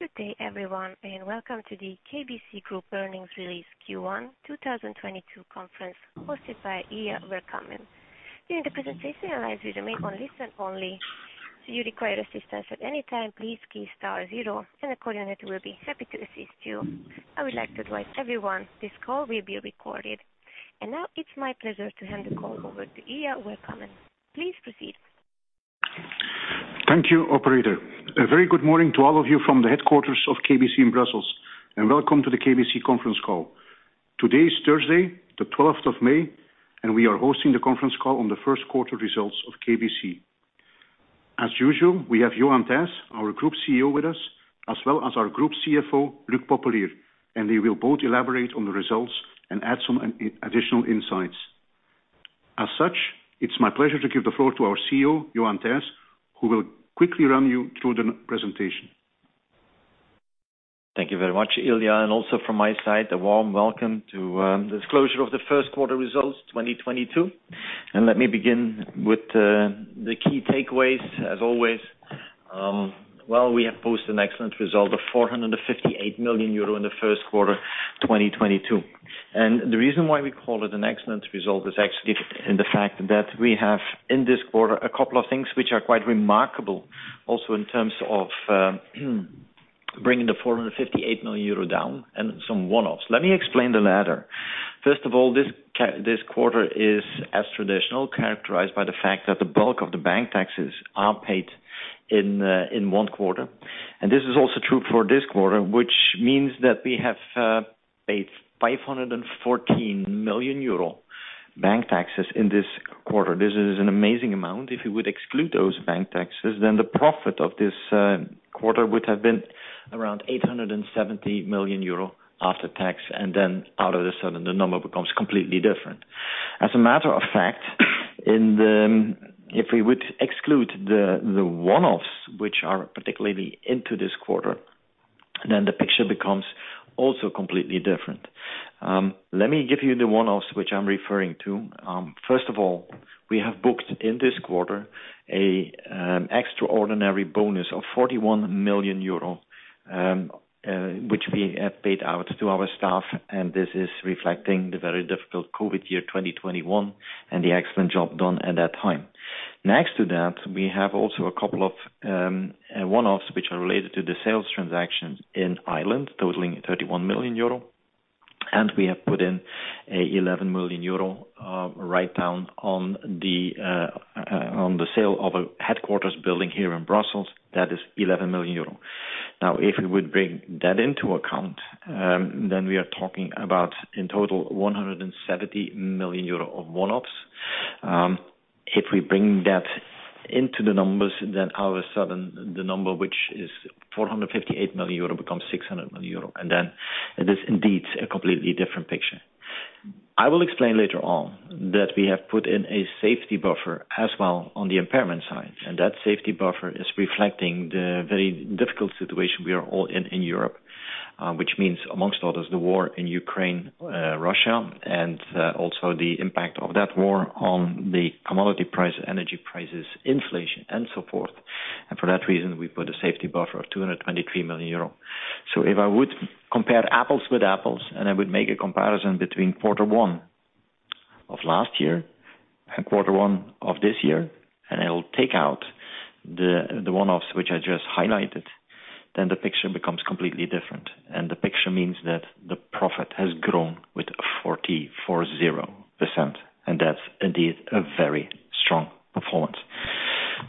Good day everyone, and welcome to the KBC Group Earnings Release Q1 2022 conference hosted by Ilya Vercammen. During the presentation, our lines will remain on listen only. If you require assistance at any time, please key star zero and a coordinator will be happy to assist you. I would like to advise everyone this call will be recorded. Now it's my pleasure to hand the call over to Ilya Vercammen. Please proceed. Thank you, operator. A very good morning to all of you from the headquarters of KBC in Brussels, and welcome to the KBC conference call. Today is Thursday, the 12th of May, and we are hosting the conference call on the first quarter results of KBC. As usual, we have Johan Thijs, our Group CEO with us, as well as our Group CFO, Luc Popelier. They will both elaborate on the results and add some additional insights. It's my pleasure to give the floor to our CEO, Johan Thijs, who will quickly run you through the presentation. Thank you very much, Ilya, and also from my side, a warm welcome to the disclosure of the first quarter results 2022. Let me begin with the key takeaways as always. We have posted an excellent result of 458 million euro in the first quarter 2022. The reason why we call it an excellent result is actually in the fact that we have, in this quarter, a couple of things which are quite remarkable also in terms of bringing the 458 million euro down and some one-offs. Let me explain the latter. First of all, this quarter is, as traditional, characterized by the fact that the bulk of the bank taxes are paid in one quarter. This is also true for this quarter, which means that we have paid 514 million euro in bank taxes in this quarter. This is an amazing amount. If you would exclude those bank taxes, then the profit of this quarter would have been around 870 million euro after tax, and then all of a sudden the number becomes completely different. As a matter of fact, if we would exclude the one-offs, which are particularly in this quarter, then the picture becomes also completely different. Let me give you the one-offs which I'm referring to. First of all, we have booked in this quarter a extraordinary bonus of 41 million euro, which we have paid out to our staff, and this is reflecting the very difficult COVID year 2021 and the excellent job done at that time. Next to that, we have also a couple of one-offs which are related to the sales transactions in Ireland, totaling 31 million euro. We have put in a 11 million euro write down on the sale of a headquarters building here in Brussels that is 11 million euro. Now, if we would bring that into account, then we are talking about, in total, 170 million euro of one-offs. If we bring that into the numbers, then all of a sudden the number, which is 458 million euro becomes 600 million euro, and then it is indeed a completely different picture. I will explain later on that we have put in a safety buffer as well on the impairment side, and that safety buffer is reflecting the very difficult situation we are all in in Europe, which means among others, the war in Ukraine, Russia, and also the impact of that war on the commodity price, energy prices, inflation, and so forth. For that reason, we put a safety buffer of 223 million euro. If I would compare apples with apples, and I would make a comparison between quarter one of last year and quarter one of this year, and I will take out the one-offs which I just highlighted, then the picture becomes completely different. The picture means that the profit has grown with 44%, and that's indeed a very strong performance.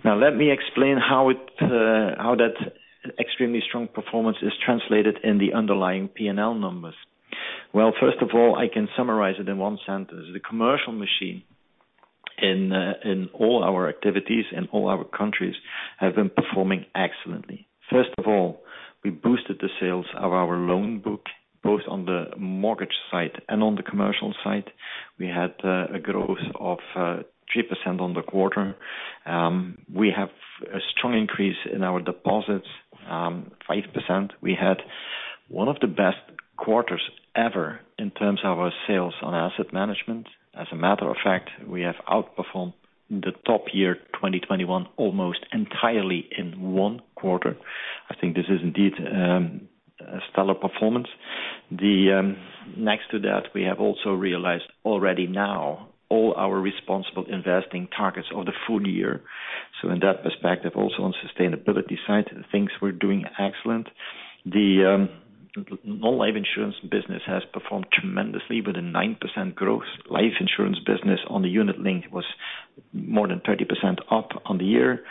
Now let me explain how that extremely strong performance is translated in the underlying P&L numbers. Well, first of all, I can summarize it in one sentence. The commercial machine in all our activities in all our countries have been performing excellently. First of all, we boosted the sales of our loan book, both on the mortgage side and on the commercial side. We had a growth of 3% on the quarter. We have a strong increase in our deposits, 5%. We had one of the best quarters ever in terms of our sales on asset management. As a matter of fact, we have outperformed the top year 2021, almost entirely in one quarter. I think this is indeed a stellar performance. Next to that, we have also realized already now all our responsible investing targets of the full year. In that perspective, also on sustainability side, things were doing excellent. The non-life insurance business has performed tremendously with a 9% growth. Life insurance business on the unit-linked was more than 30% up on the year.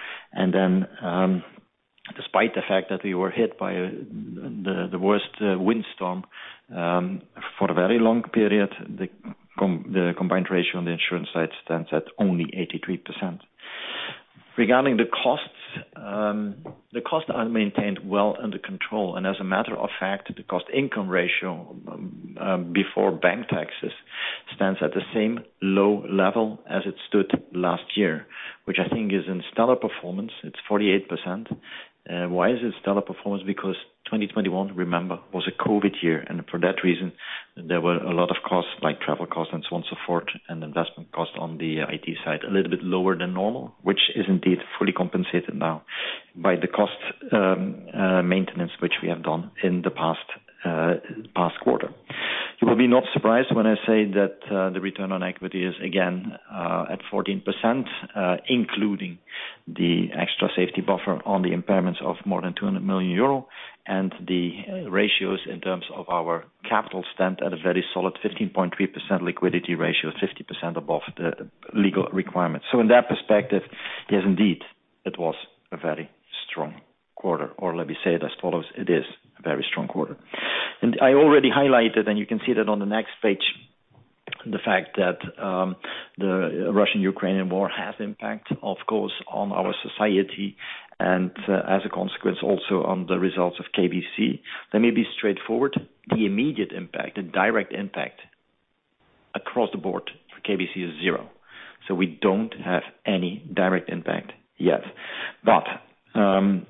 Despite the fact that we were hit by the worst windstorm for a very long period, the combined ratio on the insurance side stands at only 83%. Regarding the costs, the costs are maintained well under control. As a matter of fact, the cost income ratio before bank taxes stands at the same low level as it stood last year, which I think is a stellar performance. It's 48%. Why is it stellar performance? Because 2021, remember, was a COVID year, and for that reason there were a lot of costs, like travel costs and so on so forth, and investment costs on the IT side, a little bit lower than normal, which is indeed fully compensated now by the cost maintenance, which we have done in the past quarter. You will not be surprised when I say that, the return on equity is again, at 14%, including the extra safety buffer on the impairments of more than 200 million euro and the ratios in terms of our capital stand at a very solid 15.3% CET1 ratio, 50% above the legal requirements. In that perspective, yes, indeed, it was a very strong quarter, or let me say it as follows, it is a very strong quarter. I already highlighted, and you can see that on the next page, the fact that, the Russian-Ukrainian War has impact, of course, on our society and as a consequence, also on the results of KBC. Let me be straightforward. The immediate impact, the direct impact across the board for KBC is zero. We don't have any direct impact yet.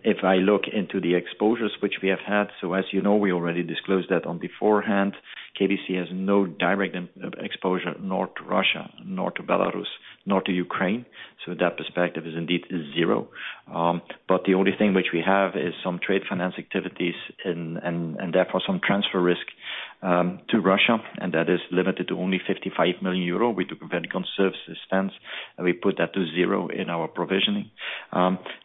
If I look into the exposures which we have had, so as you know, we already disclosed that beforehand. KBC has no direct exposure, nor to Russia, nor to Belarus, nor to Ukraine. That respect is indeed zero. The only thing which we have is some trade finance activities and therefore some transfer risk to Russia, and that is limited to only 55 million euro. We took a very conservative stance, and we put that to zero in our provisioning.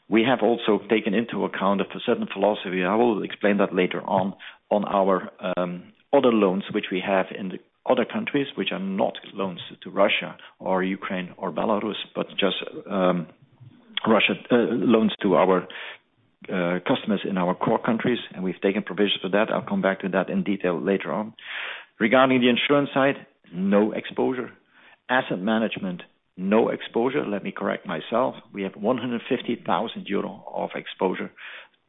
We have also taken into account a certain philosophy. I will explain that later on our other loans which we have in the other countries, which are not loans to Russia or Ukraine or Belarus, but just loans to our customers in our core countries, and we've taken provisions for that. I'll come back to that in detail later on. Regarding the insurance side, no exposure. Asset management, no exposure. Let me correct myself. We have 150,000 euro of exposure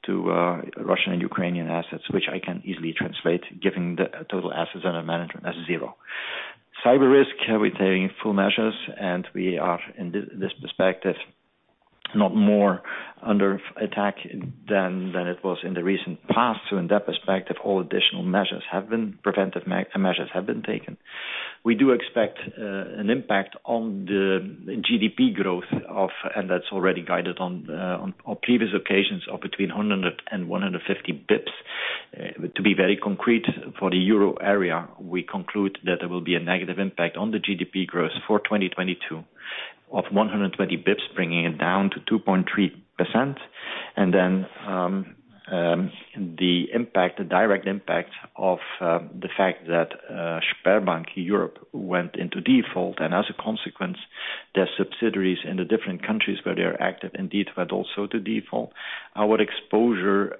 to Russian and Ukrainian assets, which I can easily translate, giving the total assets under management as zero. Cyber risk, we're taking full measures, and we are, in this perspective, not more under attack than it was in the recent past. In that perspective, all additional preventive measures have been taken. We do expect an impact on the GDP growth of between 100 and 150 basis points, and that's already guided on previous occasions. To be very concrete, for the euro area, we conclude that there will be a negative impact on the GDP growth for 2022 of 120 basis points, bringing it down to 2.3%. The impact, the direct impact of the fact that Sberbank Europe went into default, and as a consequence, their subsidiaries in the different countries where they are active indeed went also to default. Our exposure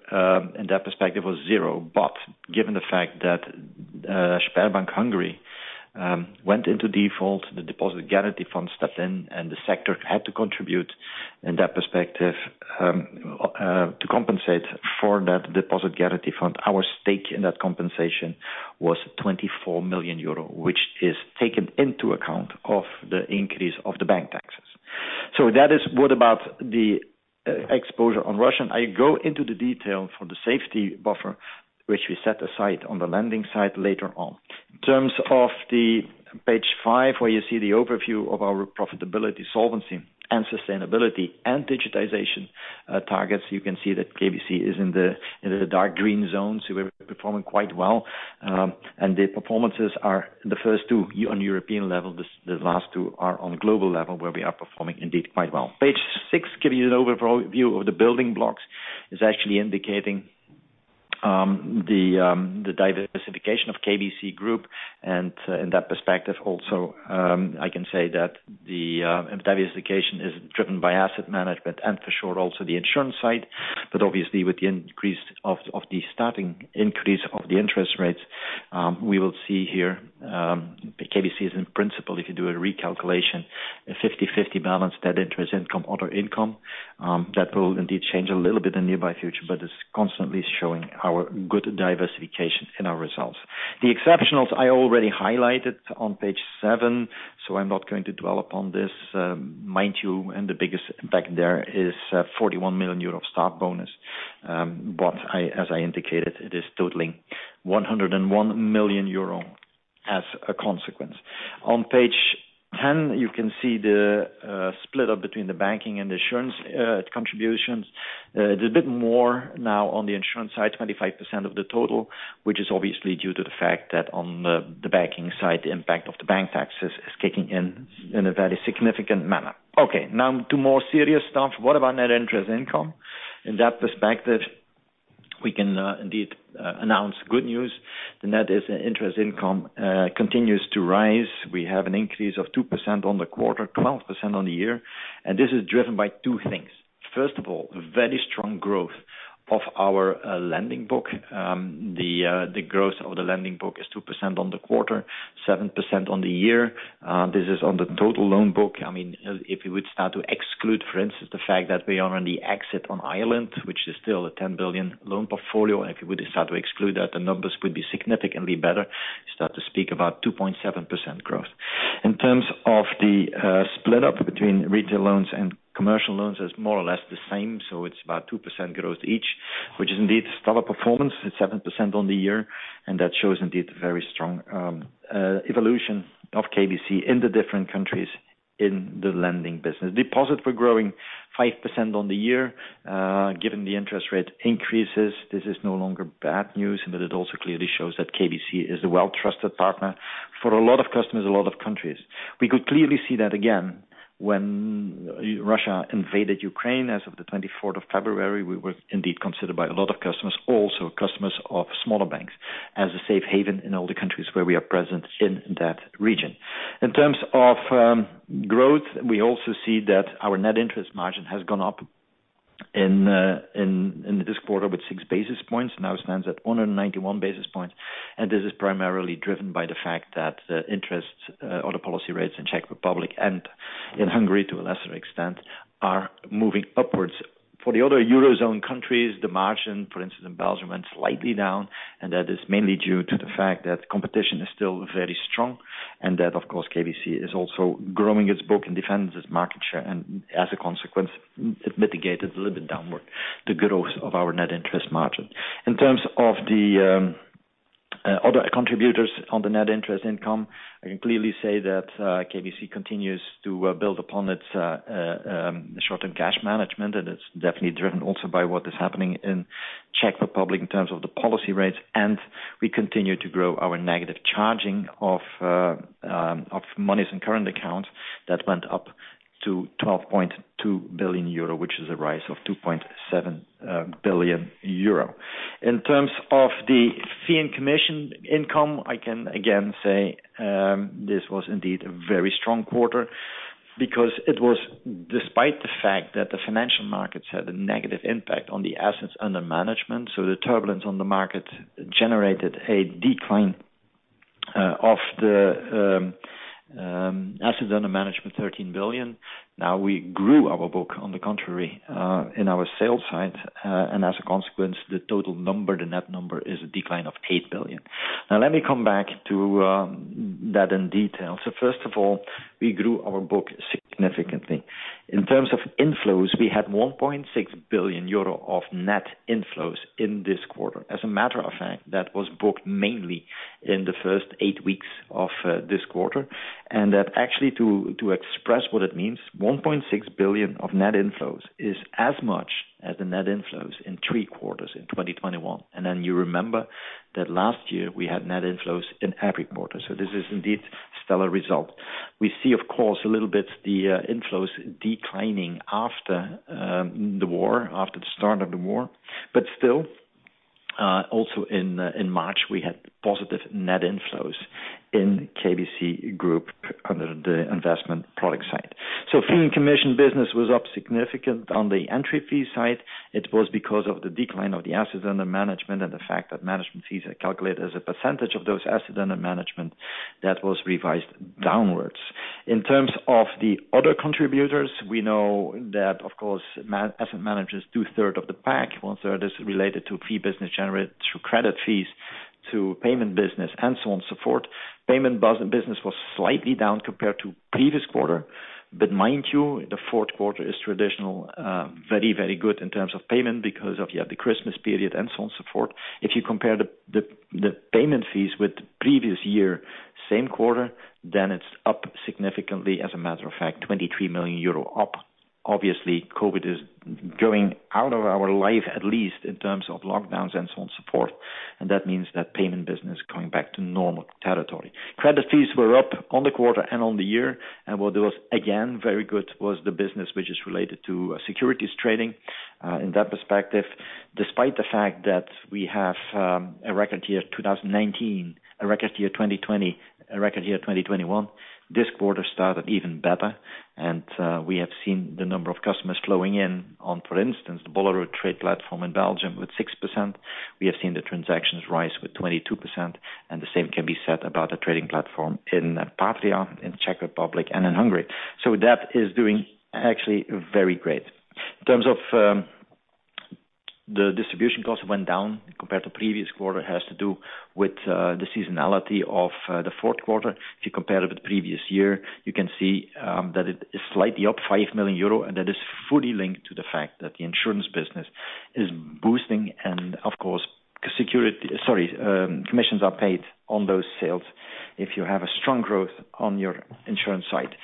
in that perspective was zero. Given the fact that Sberbank Hungary went into default, the deposit guarantee fund stepped in, and the sector had to contribute in that perspective to compensate for that deposit guarantee fund. Our stake in that compensation was 24 million euro, which is taken into account of the increase of the bank taxes. That is what about the exposure on Russia. I go into the detail for the safety buffer, which we set aside on the lending side later on. In terms of the Page 5, where you see the overview of our profitability, solvency and sustainability and digitization targets, you can see that KBC is in the dark green zone, so we're performing quite well. The performances are the first two on European level. The last two are on global level, where we are performing indeed quite well. Page 6, giving you an overall view of the building blocks, is actually indicating the diversification of KBC Group. In that perspective, also, I can say that the diversification is driven by asset management and for sure also the insurance side. Obviously, with the increase of the starting increase of the interest rates, we will see here, KBC is in principle, if you do a recalculation, a 50/50 balance, net interest income, other income, that will indeed change a little bit in near future, but it's constantly showing our good diversification in our results. The exceptionals I already highlighted on Page 7, so I'm not going to dwell upon this. Mind you, in the biggest impact there is 41 million euro of stock bonus. But I, as I indicated, it is totaling 101 million euro as a consequence. On Page 10, you can see the split up between the banking and the insurance contributions. There's a bit more now on the insurance side, 25% of the total, which is obviously due to the fact that on the banking side, the impact of the bank taxes is kicking in a very significant manner. Okay, now to more serious stuff. What about net interest income? In that perspective, we can indeed announce good news. The net interest income continues to rise. We have an increase of 2% on the quarter, 12% on the year. This is driven by two things. First of all, very strong growth of our lending book. The growth of the lending book is 2% on the quarter, 7% on the year. This is on the total loan book. I mean, if you would start to exclude, for instance, the fact that we are on the exit on Ireland, which is still a 10 billion loan portfolio. If you would start to exclude that, the numbers would be significantly better. Start to speak about 2.7% growth. In terms of the split up between retail loans and commercial loans is more or less the same. So it's about 2% growth each, which is indeed stellar performance. It's 7% on the year, and that shows indeed very strong evolution of KBC in the different countries in the lending business. Deposits were growing 5% on the year. Given the interest rate increases, this is no longer bad news. It also clearly shows that KBC is a well-trusted partner for a lot of customers, a lot of countries. We could clearly see that again when Russia invaded Ukraine as of the twenty-fourth of February. We were indeed considered by a lot of customers, also customers of smaller banks, as a safe haven in all the countries where we are present in that region. In terms of growth, we also see that our net interest margin has gone up in this quarter with six basis points. Now it stands at 191 basis points, and this is primarily driven by the fact that the interest or the policy rates in Czech Republic and in Hungary, to a lesser extent, are moving upwards. For the other Eurozone countries, the margin, for instance in Belgium, went slightly down, and that is mainly due to the fact that competition is still very strong and that, of course, KBC is also growing its book and defends its market share. As a consequence, it mitigates a little bit downward the growth of our net interest margin. In terms of the other contributors on the net interest income, I can clearly say that KBC continues to build upon its short-term cash management. It's definitely driven also by what is happening in Czech Republic in terms of the policy rates. We continue to grow our negative charging of monies and current accounts that went up to 12.2 billion euro, which is a rise of 2.7 billion euro. In terms of the fee and commission income, I can again say, this was indeed a very strong quarter because it was despite the fact that the financial markets had a negative impact on the assets under management. The turbulence on the market generated a decline of the assets under management of 13 billion. Now, we grew our book on the contrary, in our sales side, and as a consequence, the total number, the net number, is a decline of 8 billion. Now, let me come back to that in detail. First of all, we grew our book significantly. In terms of inflows, we had 1.6 billion euro of net inflows in this quarter. As a matter of fact, that was booked mainly in the first eight weeks of this quarter. That actually to express what it means, 1.6 billion of net inflows is as much as the net inflows in three quarters in 2021. Then you remember that last year we had net inflows in every quarter. This is indeed stellar result. We see, of course, a little bit the inflows declining after the war, after the start of the war, but still, also in March, we had positive net inflows in KBC Group under the investment product side. Fee and commission business was up significantly on the entry fee side. It was because of the decline of the assets under management and the fact that management fees are calculated as a percentage of those assets under management that was revised downwards. In terms of the other contributors, we know that of course, asset managers do one-third of the pack. 1/3 is related to fee business generated through credit fees to payment business and so on, so forth. Payment business was slightly down compared to previous quarter. Mind you, the fourth quarter is traditional, very, very good in terms of payment because of, yeah, the Christmas period and so on, so forth. If you compare the payment fees with previous year, same quarter, then it's up significantly. As a matter of fact, 23 million euro up. Obviously, COVID is going out of our life, at least in terms of lockdowns and so on, so forth. That means that payment business coming back to normal territory. Credit fees were up on the quarter and on the year. What was again, very good was the business which is related to securities trading. In that perspective, despite the fact that we have a record year 2019, a record year 2020, a record year 2021, this quarter started even better. We have seen the number of customers flowing in on, for instance, the Bolero trade platform in Belgium with 6%. We have seen the transactions rise with 22%, and the same can be said about the trading platform in Patria, in Czech Republic and in Hungary. That is doing actually very great. In terms of the distribution cost went down compared to previous quarter. It has to do with the seasonality of the fourth quarter. If you compare it with previous year, you can see that it is slightly up 5 million euro, and that is fully linked to the fact that the insurance business is boosting and of course commissions are paid on those sales. If you have a strong growth on your insurance side,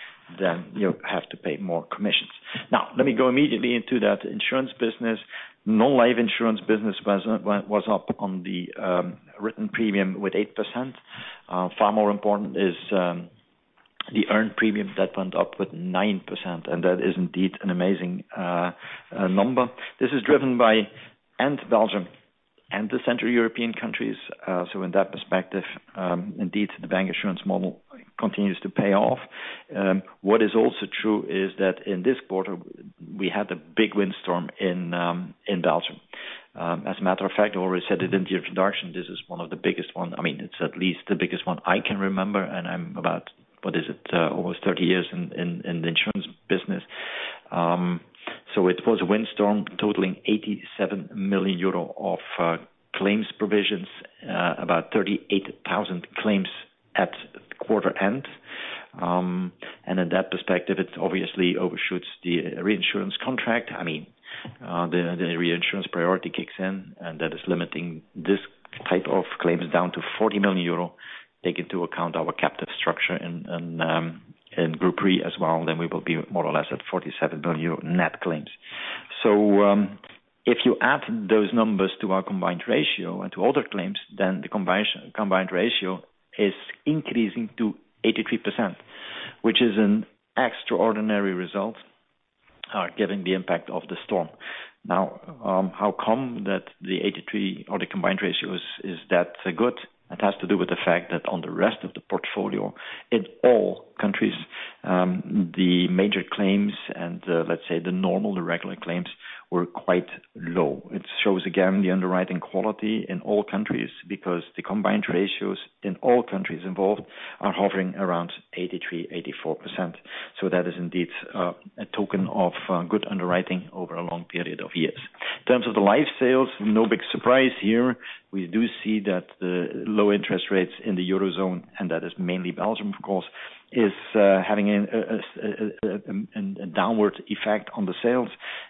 then you have to pay more commissions. Now, let me go immediately into that insurance business. Non-life insurance business was up on the written premium with 8%. Far more important is the earned premium that went up with 9%, and that is indeed an amazing number. This is driven by Belgium and the Central European countries. In that perspective, indeed, the bank insurance model continues to pay off. What is also true is that in this quarter, we had a big windstorm in Belgium. As a matter of fact, I already said it in the introduction, this is one of the biggest one. I mean, it's at least the biggest one I can remember. I'm about, what is it, almost 30 years in the insurance business. So it was a windstorm totaling 87 million euro of claims provisions, about 38,000 claims at quarter end. In that perspective, it obviously overshoots the reinsurance contract. I mean, the reinsurance priority kicks in, and that is limiting this type of claims down to 40 million euro. Take into account our captive structure and group re as well, then we will be more or less at 47 billion net claims. If you add those numbers to our combined ratio and to other claims, then the combined ratio is increasing to 83%, which is an extraordinary result, given the impact of the storm. How come that the 83% or the combined ratio is that good? It has to do with the fact that on the rest of the portfolio in all countries, the major claims and, let's say the normal, the regular claims were quite low. It shows again the underwriting quality in all countries because the combined ratios in all countries involved are hovering around 83%, 84%. That is indeed a token of good underwriting over a long period of years. In terms of the life sales, no big surprise here. We do see that the low interest rates in the Eurozone, and that is mainly Belgium, of course, is having a downward effect on the sales.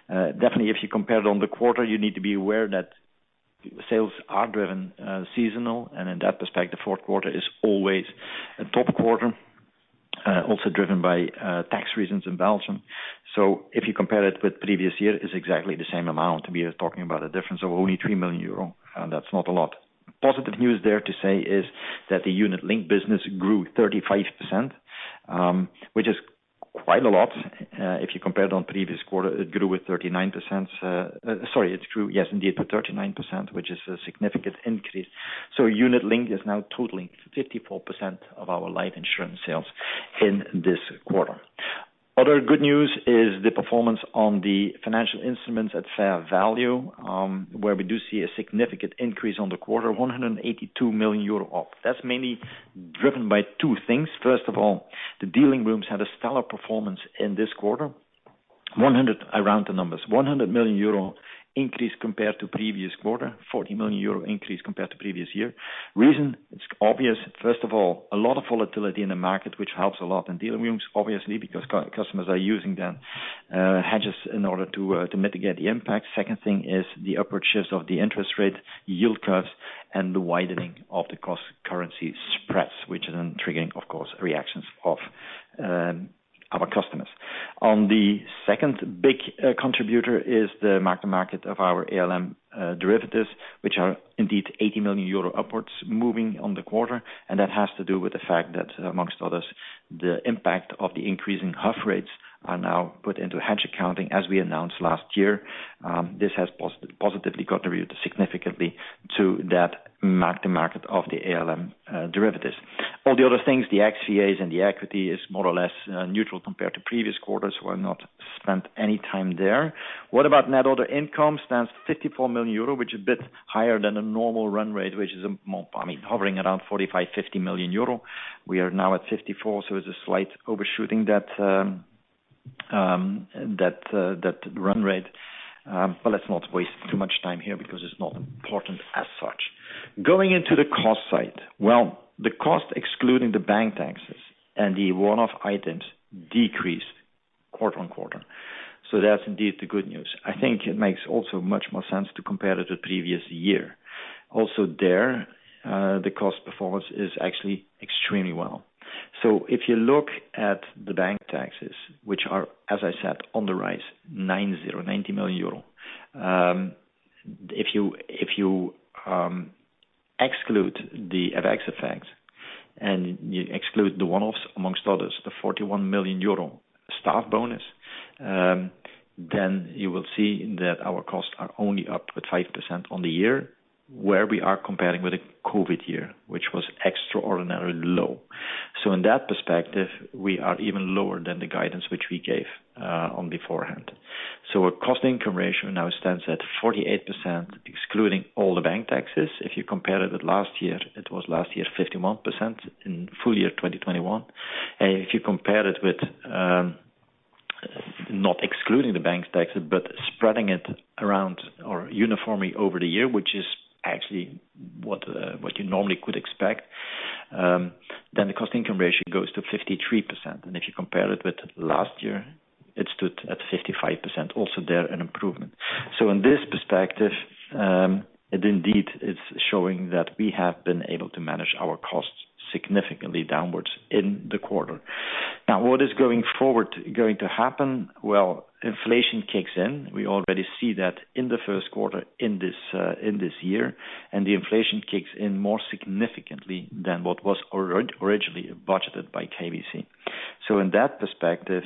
Definitely, if you compare it on the quarter, you need to be aware that sales are driven seasonally, and in that respect, the fourth quarter is always a top quarter, also driven by tax reasons in Belgium. If you compare it with previous year, it's exactly the same amount. We are talking about a difference of only 3 million euro, and that's not a lot. Positive news there to say is that the unit-linked business grew 35%, which is quite a lot, if you compare it on previous quarter, it grew with 39%. Sorry, it grew, yes, indeed, to 39%, which is a significant increase. Unit-linked is now totaling 54% of our life insurance sales in this quarter. Other good news is the performance on the financial instruments at fair value, where we do see a significant increase on the quarter, 182 million euro up. That's mainly driven by two things. First of all, the dealing rooms had a stellar performance in this quarter. One hundred, I round the numbers, 100 million euro increase compared to previous quarter, 40 million euro increase compared to previous year. Reason, it's obvious, first of all, a lot of volatility in the market, which helps a lot in dealing rooms, obviously, because customers are using them, hedges in order to to mitigate the impact. Second thing is the upward shifts of the interest rate, yield curves, and the widening of the cross-currency spreads, which is then triggering, of course, reactions of our customers. The second big contributor is the mark-to-market of our ALM derivatives, which are indeed 80 million euro upwards moving on the quarter. That has to do with the fact that, amongst others, the impact of the increasing HUF rates are now put into hedge accounting, as we announced last year. This has positively contributed significantly to that mark-to-market of the ALM derivatives. All the other things, the FCAs and the equity is more or less neutral compared to previous quarters. We'll not spend any time there. What about net other income stands 54 million euro, which is a bit higher than a normal run rate, which is, more, I mean, hovering around 45-50 million euro. We are now at 54 million, so it's a slight overshooting that run rate, but let's not waste too much time here because it's not important as such. Going into the cost side. Well, the cost excluding the bank taxes and the one-off items decreased quarter-on-quarter. That's indeed the good news. I think it makes also much more sense to compare to the previous year. Also there, the cost performance is actually extremely well. If you look at the bank taxes, which are, as I said, on the rise, 90 million euro. If you exclude the FX effect and you exclude the one-offs, among others, the 41 million euro staff bonus, then you will see that our costs are only up 5% on the year where we are comparing with a COVID year, which was extraordinarily low. In that perspective, we are even lower than the guidance which we gave beforehand. Our cost income ratio now stands at 48%, excluding all the bank taxes. If you compare it with last year, it was 51% in full year 2021. If you compare it with not excluding the bank taxes, but spreading it around or uniformly over the year, which is actually what you normally could expect, then the cost income ratio goes to 53%. If you compare it with last year, it stood at 55%, also there an improvement. In this perspective, it indeed is showing that we have been able to manage our costs significantly downwards in the quarter. Now, what is going forward going to happen? Well, inflation kicks in. We already see that in the first quarter in this, in this year, and the inflation kicks in more significantly than what was originally budgeted by KBC. In that perspective,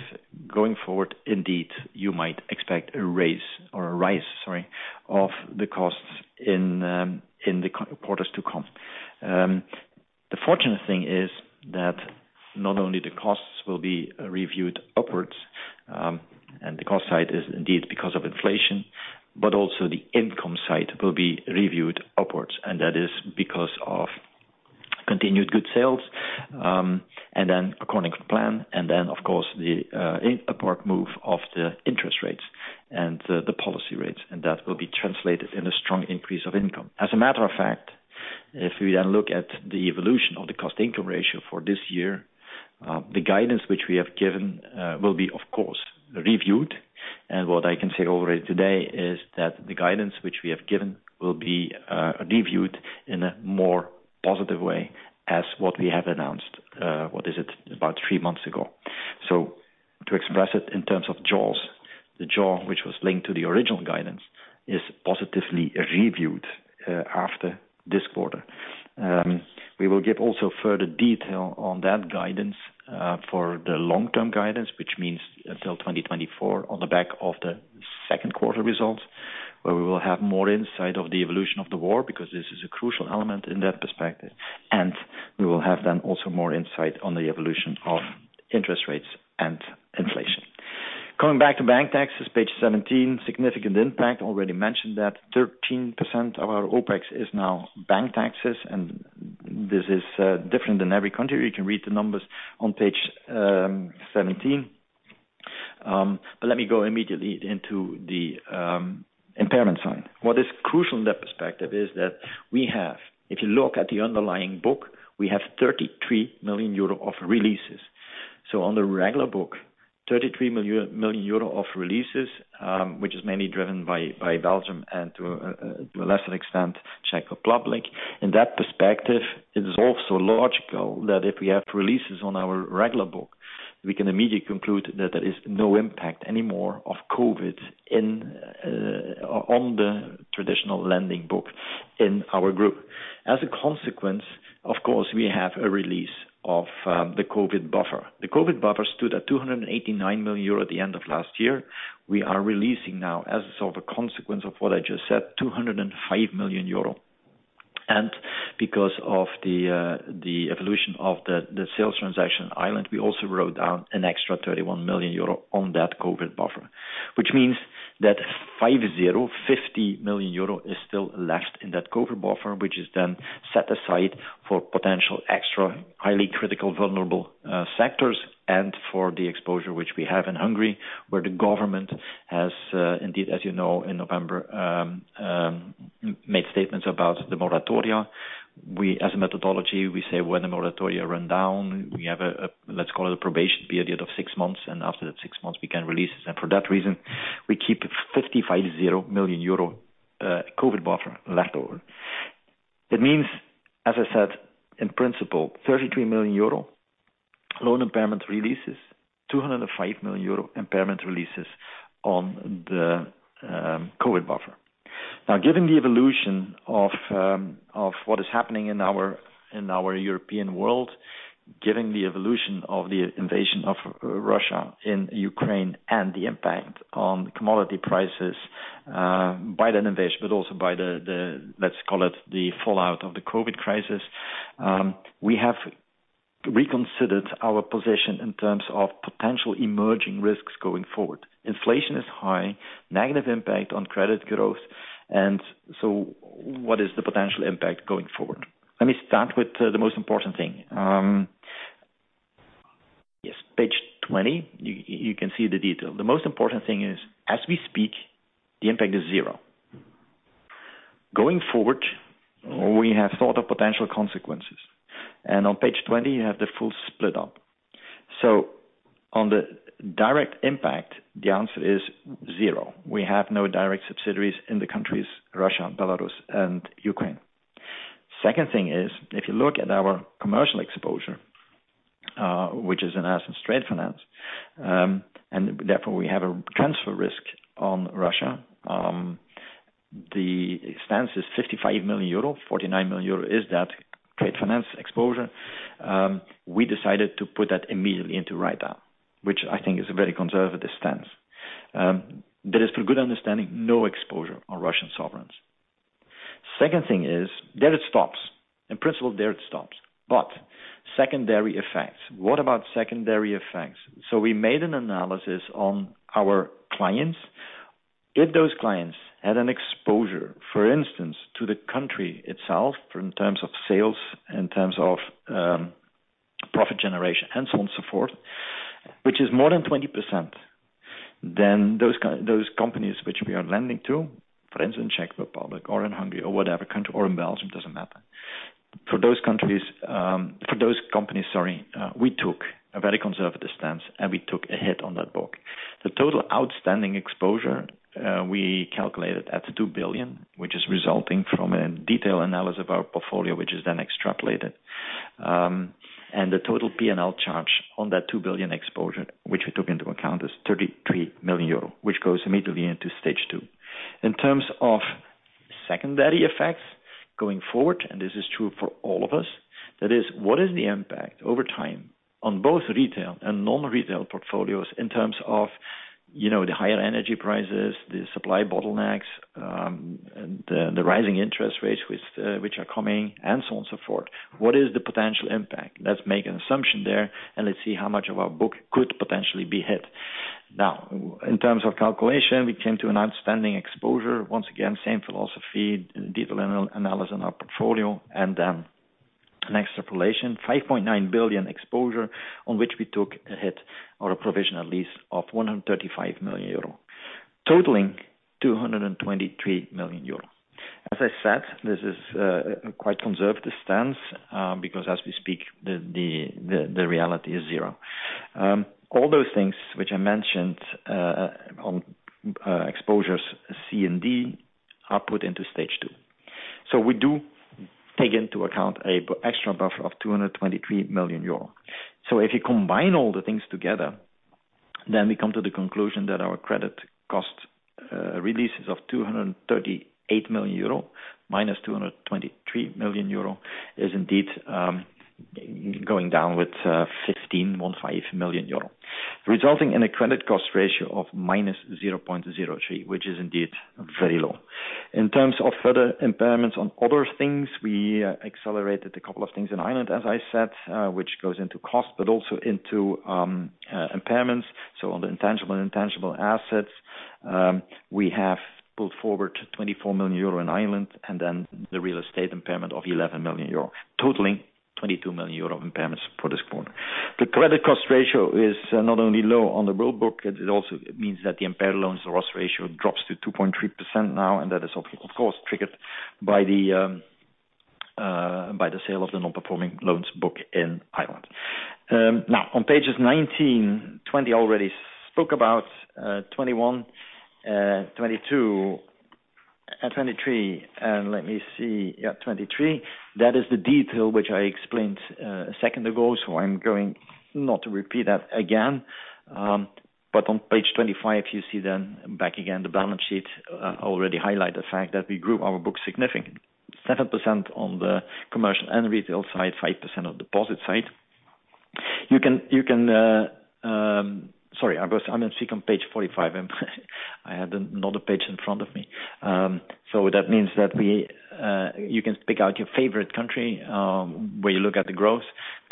going forward, indeed, you might expect a raise or a rise, sorry, of the costs in the quarters to come. The fortunate thing is that not only the costs will be reviewed upwards, and the cost side is indeed because of inflation, but also the income side will be reviewed upwards, and that is because of continued good sales, and then according to plan, and then of course, the upward move of the interest rates and the policy rates, and that will be translated in a strong increase of income. As a matter of fact, if we then look at the evolution of the cost income ratio for this year, the guidance which we have given will be of course reviewed. What I can say already today is that the guidance which we have given will be reviewed in a more positive way as what we have announced. What is it? About three months ago. To express it in terms of jaws, the jaw which was linked to the original guidance is positively reviewed after this quarter. We will give also further detail on that guidance for the long-term guidance, which means until 2024 on the back of the second quarter results, where we will have more insight of the evolution of the war, because this is a crucial element in that perspective. We will have then also more insight on the evolution of interest rates and inflation. Coming back to bank taxes, Page 17, significant impact. Already mentioned that 13% of our OpEx is now bank taxes, and this is different in every country. You can read the numbers on Page 17. But let me go immediately into the impairment side. What is crucial in that perspective is that we have... If you look at the underlying book, we have 33 million euro of releases. On the regular book, 33 million of releases, which is mainly driven by Belgium and to a lesser extent, Czech Republic. In that perspective, it is also logical that if we have releases on our regular book, we can immediately conclude that there is no impact anymore of COVID on the traditional lending book in our group. As a consequence, of course, we have a release of the COVID buffer. The COVID buffer stood at 289 million euro at the end of last year. We are releasing now, as a sort of a consequence of what I just said, 205 million euro. Because of the evolution of the sale transaction in Ireland, we also wrote down an extra 31 million euro on that COVID buffer, which means that 50 million euro is still left in that COVID buffer, which is then set aside for potential extra highly critical, vulnerable sectors and for the exposure which we have in Hungary, where the government has indeed, as you know, in November, made statements about the moratoria. We, as a methodology, say when the moratoria run down, we have a, let's call it a probation period of six months, and after that six months we can release. For that reason, we keep 50 million euro COVID buffer left over. It means, as I said, in principle, 33 million euro loan impairment releases, 205 million euro impairment releases on the COVID buffer. Now, given the evolution of what is happening in our European world, given the evolution of the Russian invasion of Ukraine and the impact on commodity prices by that invasion, but also by the fallout of the COVID crisis, we have reconsidered our position in terms of potential emerging risks going forward. Inflation is high, negative impact on credit growth, and so what is the potential impact going forward? Let me start with the most important thing. Yes, Page 20, you can see the detail. The most important thing is, as we speak, the impact is zero. Going forward, we have thought of potential consequences. On Page 20, you have the full split up. On the direct impact, the answer is zero. We have no direct subsidiaries in the countries Russia, Belarus and Ukraine. Second thing is, if you look at our commercial exposure, which is in asset and trade finance, and therefore we have a transfer risk on Russia, the exposure is 55 million euro. 49 million euro is that trade finance exposure. We decided to put that immediately into write-down, which I think is a very conservative stance. There is, for good understanding, no exposure on Russian sovereigns. Second thing is, there it stops. In principle, there it stops. Secondary effects. What about secondary effects? We made an analysis on our clients. If those clients had an exposure, for instance, to the country itself in terms of sales, in terms of profit generation and so on and so forth, which is more than 20%, then those companies which we are lending to, for instance, in Czech Republic or in Hungary or whatever country or in Belgium, doesn't matter. For those countries, for those companies, sorry, we took a very conservative stance, and we took a hit on that book. The total outstanding exposure, we calculated at 2 billion, which is resulting from a detailed analysis of our portfolio, which is then extrapolated. The total P&L charge on that 2 billion exposure, which we took into account, is 33 million euro, which goes immediately into Stage 2. In terms of secondary effects going forward, and this is true for all of us, that is, what is the impact over time on both retail and non-retail portfolios in terms of, you know, the higher energy prices, the supply bottlenecks, the rising interest rates which are coming and so on and so forth. What is the potential impact? Let's make an assumption there, and let's see how much of our book could potentially be hit. Now, in terms of calculation, we came to an outstanding exposure. Once again, same philosophy, detailed analysis on our portfolio, and an extrapolation 5.9 billion exposure on which we took a hit or a provision at least of 135 million euro, totaling 223 million euro. As I said, this is quite conservative stance, because as we speak, the reality is zero. All those things which I mentioned on exposures C and D are put into Stage 2. We do take into account an extra buffer of 223 million euro. If you combine all the things together, then we come to the conclusion that our credit cost releases of 238 million euro, minus 223 million euro is indeed going down with 15 million euro, resulting in a credit cost ratio of -0.03%, which is indeed very low. In terms of further impairments on other things, we accelerated a couple of things in Ireland, as I said, which goes into cost but also into impairments. On the intangible and tangible assets, we have pulled forward 24 million euro in Ireland and then the real estate impairment of 11 million euro, totaling 22 million euro of impairments for this quarter. The credit cost ratio is not only low on the rule book, it also means that the impaired loans to risk ratio drops to 2.3% now, and that is, of course, triggered by the sale of the non-performing loans book in Ireland. Now on pages 19, 20, already spoke about 21, 22, and 23. Let me see. Yeah, 23. That is the detail which I explained a second ago. I'm going not to repeat that again. On Page 25, you see then back again the balance sheet, already highlight the fact that we grew our book significantly. 7% on the commercial and retail side, 5% on deposit side. You can pick out your favorite country where you look at the growth.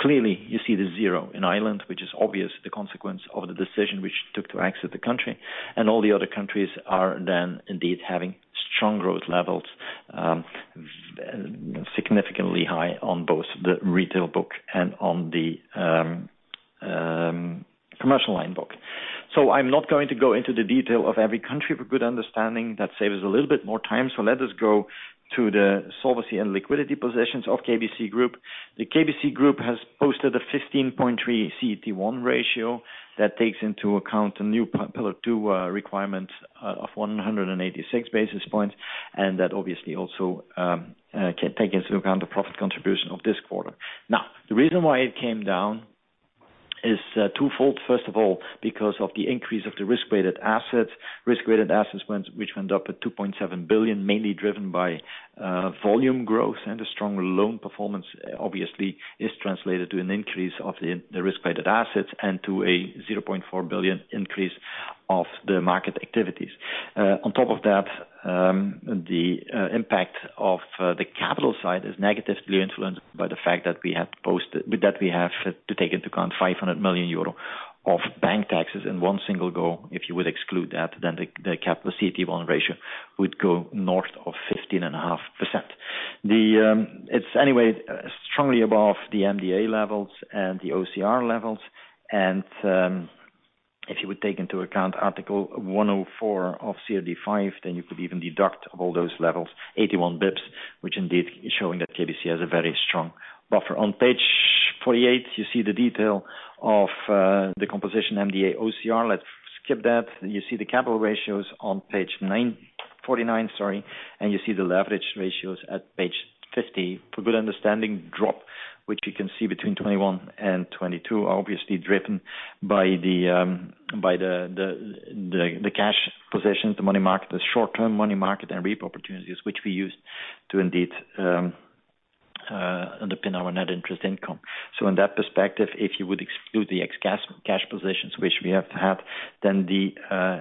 Clearly, you see the zero in Ireland, which is obvious, the consequence of the decision we took to exit the country. All the other countries are then indeed having strong growth levels, significantly high on both the retail book and on the commercial loan book. I'm not going to go into the detail of every country for good understanding. That saves a little bit more time. Let us go to the solvency and liquidity positions of KBC Group. The KBC Group has posted a 15.3 CET1 ratio that takes into account a new Pillar 2 requirement of 186 basis points. That obviously also take into account the profit contribution of this quarter. The reason why it came down is twofold. First of all, because of the increase of the risk-weighted assets, risk-weighted assets which went up by 2.7 billion, mainly driven by volume growth and a strong loan performance, obviously, is translated to an increase of the risk-weighted assets and to a 0.4 billion increase of the market activities. On top of that, the impact of the capital side is negatively influenced by the fact that we have to take into account 500 million euro of bank taxes in one single go. If you would exclude that, then the capital CET1 ratio would go north of 15.5%. It's anyway strongly above the MDA levels and the OCR levels. If you would take into account Article 104a of CRD V, then you could even deduct all those levels, 81 basis points, which indeed is showing that KBC has a very strong buffer. On Page 48, you see the detail of the composition MDA OCR. Let's skip that. You see the capital ratios on Page 49, sorry, and you see the leverage ratios at Page 50. For good understanding drop, which you can see between 2021 and 2022, obviously driven by the cash positions, the money market, the short-term money market, and repo opportunities which we use to indeed underpin our net interest income. In that perspective, if you would exclude the excess cash positions which we have to have, then the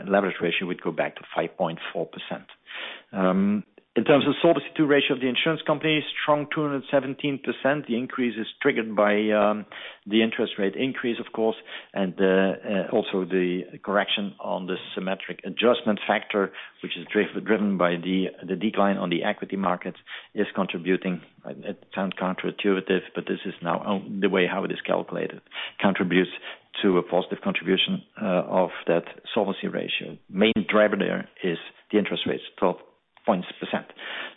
leverage ratio would go back to 5.4%. In terms of Solvency II ratio of the insurance company, strong 217%. The increase is triggered by the interest rate increase, of course, and also the correction on the symmetric adjustment factor, which is driven by the decline on the equity markets, is contributing. It sounds counterintuitive, but this is now the way how it is calculated contributes to a positive contribution of that solvency ratio. Main driver there is the interest rates, 12%.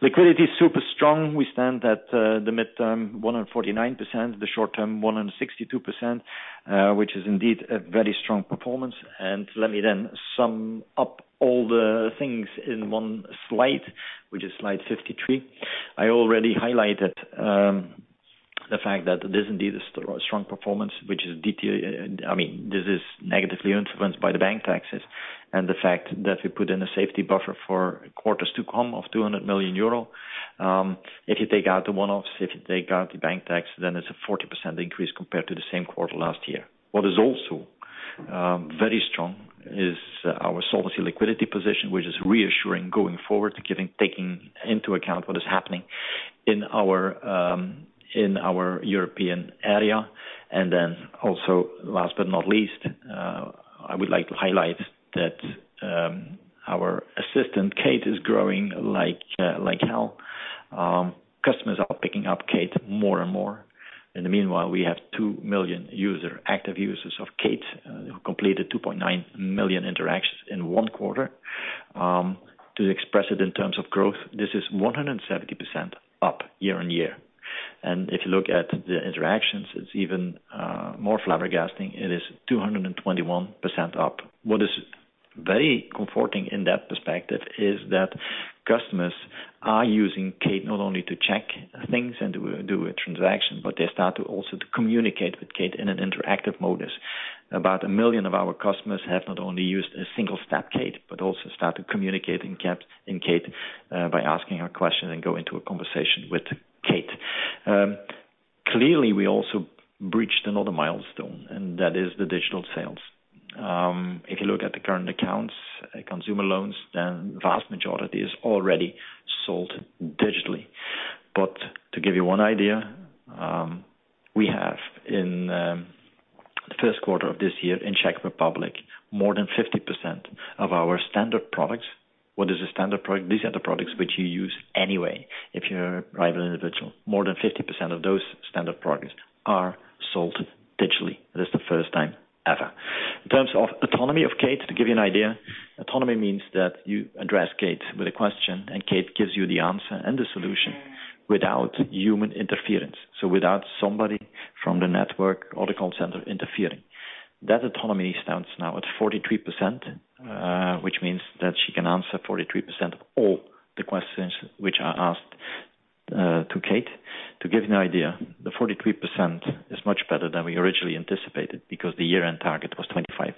Liquidity is super strong. We stand at the midterm, 149%, the short term, 162%, which is indeed a very strong performance. Let me then sum up all the things in one slide, which is Slide 53. I already highlighted the fact that it is indeed a strong performance, which, I mean, this is negatively influenced by the bank taxes and the fact that we put in a safety buffer for quarters to come of 200 million euro. If you take out the one-offs, if you take out the bank tax, then it's a 40% increase compared to the same quarter last year. What is also very strong is our solvency and liquidity position, which is reassuring going forward, given taking into account what is happening in our European area. Then also last but not least, I would like to highlight that our assistant, Kate, is growing like like hell. Customers are picking up Kate more and more. In the meanwhile, we have 2 million active users of Kate who completed 2.9 million interactions in one quarter. To express it in terms of growth, this is 170% up year-on-year. If you look at the interactions, it's even more flabbergasting. It is 221% up. What is very comforting in that perspective is that customers are using Kate not only to check things and do a transaction, but they start to also communicate with Kate in an interactive mode. About 1 million of our customers have not only used a single step Kate, but also started communicating in Kate by asking her questions and going into a conversation with Kate. Clearly, we also reached another milestone, and that is the digital sales. If you look at the current accounts, consumer loans, then vast majority is already sold digitally. To give you one idea, we have in the first quarter of this year in Czech Republic, more than 50% of our standard products. What is a standard product? These are the products which you use anyway, if you're private individual. More than 50% of those standard products are sold digitally. That is the first time ever. In terms of autonomy of Kate, to give you an idea, autonomy means that you address Kate with a question, and Kate gives you the answer and the solution without human interference, so without somebody from the network or the call center interfering. That autonomy stands now at 43%, which means that she can answer 43% of all the questions which are asked to Kate. To give you an idea, the 43% is much better than we originally anticipated because the year-end target was 25%.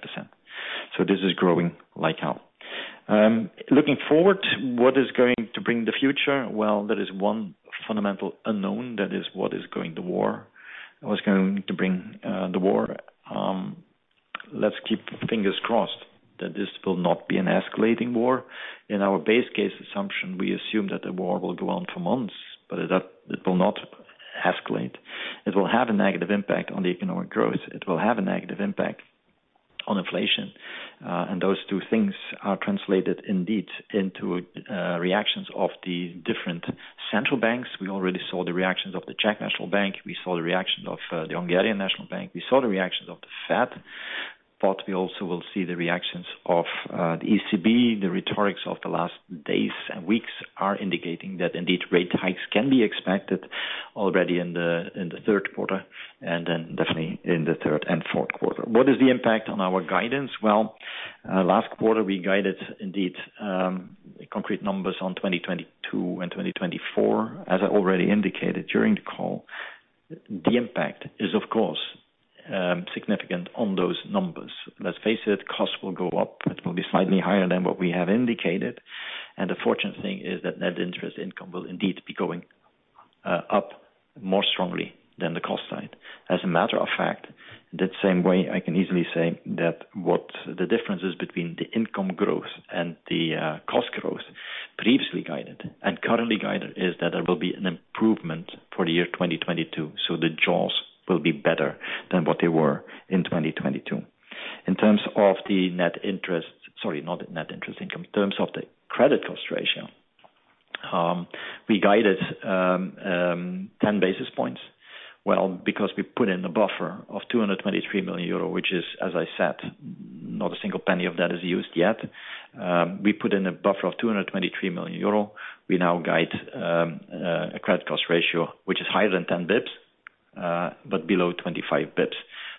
This is growing like hell. Looking forward, what is going to bring the future? Well, there is one fundamental unknown that is what the war is going to. What the war is going to bring the war. Let's keep fingers crossed that this will not be an escalating war. In our base case assumption, we assume that the war will go on for months, but it will not escalate. It will have a negative impact on the economic growth. It will have a negative impact on inflation. Those two things are translated indeed into reactions of the different central banks. We already saw the reactions of the Czech National Bank. We saw the reaction of the Magyar Nemzeti Bank. We saw the reactions of the Fed, but we also will see the reactions of the ECB. The rhetoric of the last days and weeks is indicating that indeed rate hikes can be expected already in the third quarter, and then definitely in the third and fourth quarter. What is the impact on our guidance? Well, last quarter, we guided indeed concrete numbers on 2022 and 2024. As I already indicated during the call, the impact is of course significant on those numbers. Let's face it, costs will go up. It will be slightly higher than what we have indicated, and the fortunate thing is that net interest income will indeed be going up more strongly than the cost side. As a matter of fact, that same way, I can easily say that what the differences between the income growth and the cost growth previously guided and currently guided is that there will be an improvement for the year 2022, so the jaws will be better than what they were in 2022. In terms of the net interest. Sorry, not net interest income. In terms of the credit cost ratio, we guided 10 basis points. Well, because we put in a buffer of 223 million euro, which is, as I said, not a single penny of that is used yet. We put in a buffer of 223 million euro. We now guide a credit cost ratio, which is higher than 10 basis points, but below 25 basis points.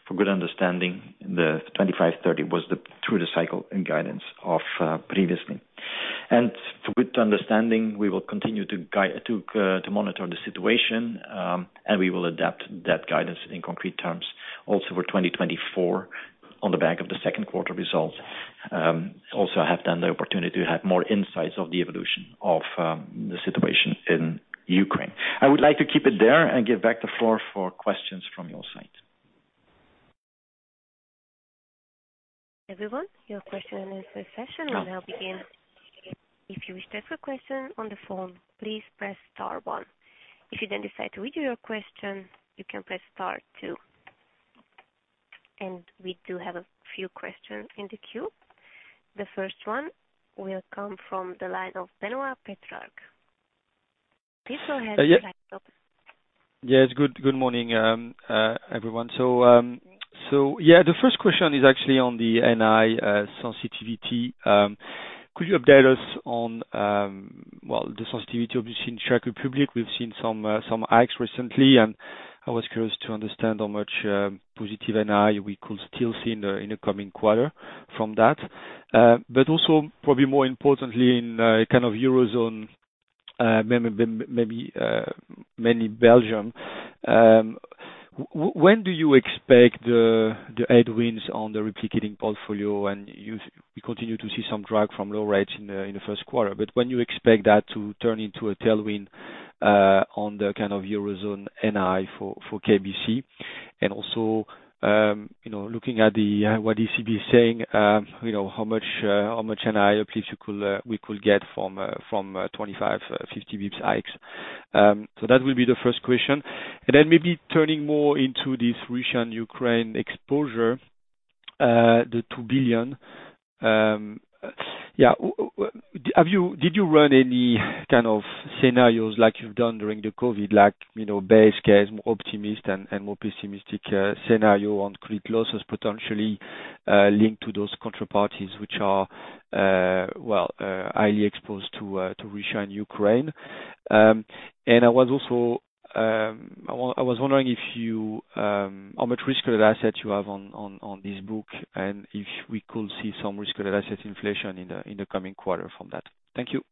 For good understanding, the 25-30 was the through the cycle and guidance of previously. To good understanding, we will continue to monitor the situation, and we will adapt that guidance in concrete terms also for 2024 on the back of the second quarter results. Also have then the opportunity to have more insights of the evolution of the situation in Ukraine. I would like to keep it there and give back the floor for questions from your side. Everyone, your question and answer session will now begin. If you wish to ask a question on the phone, please press star one. If you then decide to withdraw your question, you can press star two. We do have a few questions in the queue. The first one will come from the line of Benoît Pétrarque. please, go ahead. Your line's open. Yes. Good morning, everyone. Yeah. The first question is actually on the NI sensitivity. Could you update us on, well, the sensitivity obviously in Czech Republic. We've seen some hikes recently, and I was curious to understand how much positive NI we could still see in the coming quarter from that. Also probably more importantly in kind of Eurozone, maybe mainly Belgium, when do you expect the headwinds on the replicating portfolio and we continue to see some drag from low rates in the first quarter. When you expect that to turn into a tailwind on the kind of Eurozone NI for KBC. You know, looking at what the ECB is saying, you know, how much NII at least we could get from 25-50 basis points hikes? That will be the first question. Then maybe turning more into this Russia-Ukraine exposure, the 2 billion. Yeah. Did you run any kind of scenarios like you've done during the COVID, like, you know, base case, more optimistic and more pessimistic scenario on credit losses potentially linked to those counterparties which are well highly exposed to Russia and Ukraine? I was also wondering if you how much risk-weighted assets you have on this book, and if we could see some risk-weighted asset inflation in the coming quarter from that. Thank you.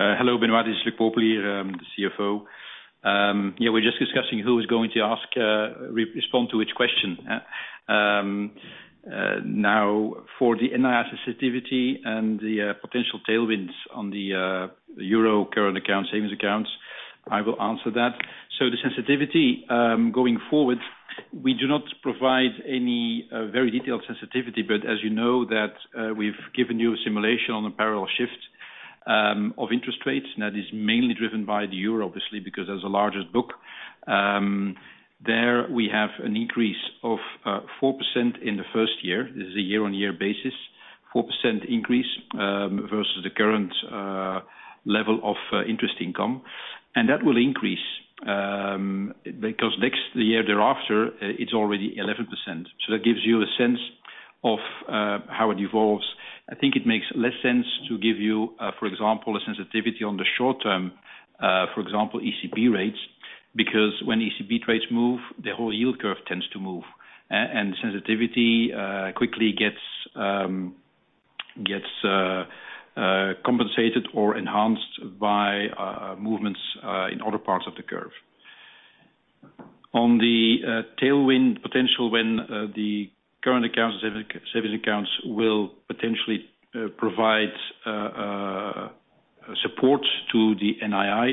Hello, Benoît Pétrarque. This is Luc Popelier, the CFO. Yeah, we're just discussing who is going to respond to which question. Now, for the NII sensitivity and the potential tailwinds on the euro current accounts, savings accounts, I will answer that. The sensitivity going forward, we do not provide any very detailed sensitivity, but as you know that, we've given you a simulation on the parallel shift of interest rates, and that is mainly driven by the euro, obviously, because that's the largest book. There we have an increase of 4% in the first year. This is a year-on-year basis, 4% increase versus the current level of interest income. That will increase, because next, the year thereafter, it's already 11%. That gives you a sense of how it evolves. I think it makes less sense to give you, for example, a sensitivity on the short term, for example, ECB rates, because when ECB rates move, the whole yield curve tends to move. And the sensitivity quickly gets compensated or enhanced by movements in other parts of the curve. On the tailwind potential when the current accounts, savings accounts will potentially provide support to the NII,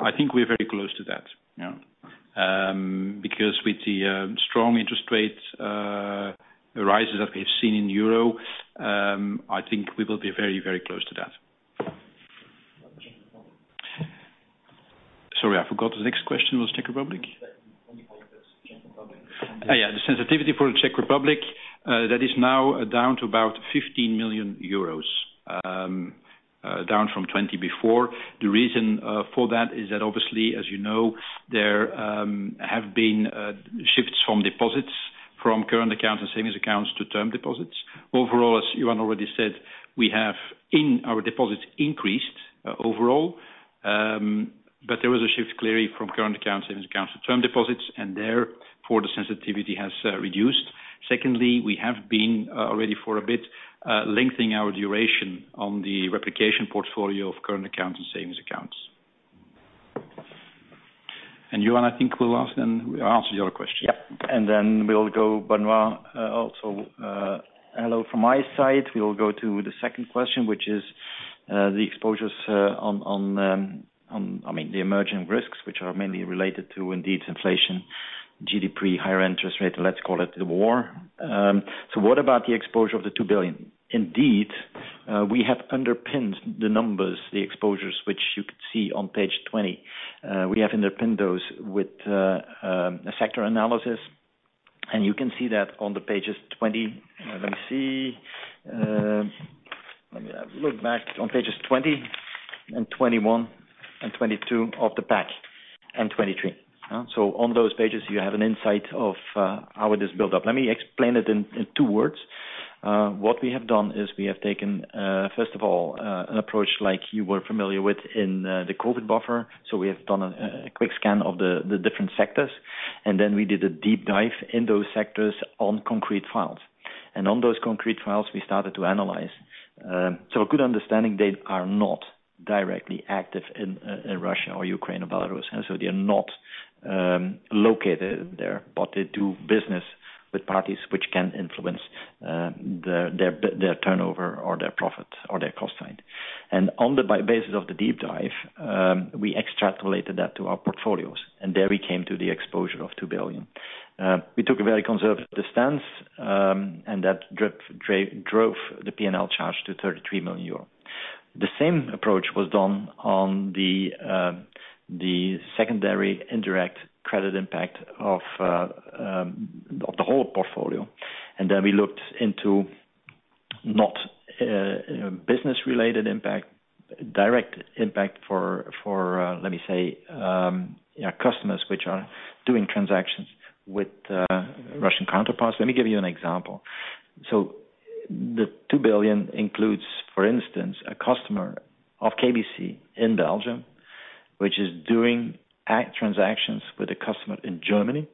I think we're very close to that. Yeah. Because with the strong interest rates rises that we've seen in euro, I think we will be very, very close to that. Czech Republic. Sorry, I forgot. The next question was Czech Republic? Yeah. The sensitivity for the Czech Republic, that is now down to about 15 million euros, down from 20 million before. The reason for that is that obviously, as you know, there have been shifts from deposits from current accounts and savings accounts to term deposits. Overall, as Johan already said, we have in our deposits increased overall, but there was a shift clearly from current accounts and savings accounts to term deposits, and therefore the sensitivity has reduced. Secondly, we have been already for a bit lengthening our duration on the replicating portfolio of current accounts and savings accounts. Johan, I think, will answer the other question. Yeah. We'll go Benoit also, hello, from my side. We will go to the second question, which is the exposures on, I mean, the emerging risks, which are mainly related to indeed inflation, GDP, higher interest rate, let's call it the war. What about the exposure of 2 billion? Indeed, we have underpinned the numbers, the exposures which you could see on Page 20. We have underpinned those with a sector analysis. You can see that on the pages 20. Let me see. Let me look back. On pages 20 and 21 and 22 of the pack and 23. On those pages, you have an insight of how it is built up. Let me explain it in two words. What we have done is we have taken, first of all, an approach like you were familiar with in the COVID buffer. We have done a quick scan of the different sectors, and then we did a deep dive in those sectors on concrete files. On those concrete files, we started to analyze. So a good understanding, they are not directly active in Russia or Ukraine or Belarus. They are not located there, but they do business with parties which can influence their turnover or their profit or their cost side. On the basis of the deep dive, we extrapolated that to our portfolios, and there we came to the exposure of 2 billion. We took a very conservative stance, and that drove the P&L charge to 33 million euro. The same approach was done on the secondary indirect credit impact of the whole portfolio. Then we looked into non-business-related impact, direct impact for customers which are doing transactions with Russian counterparts. Let me give you an example. The two billion includes, for instance, a customer of KBC in Belgium, which is doing actual transactions with a customer in Germany.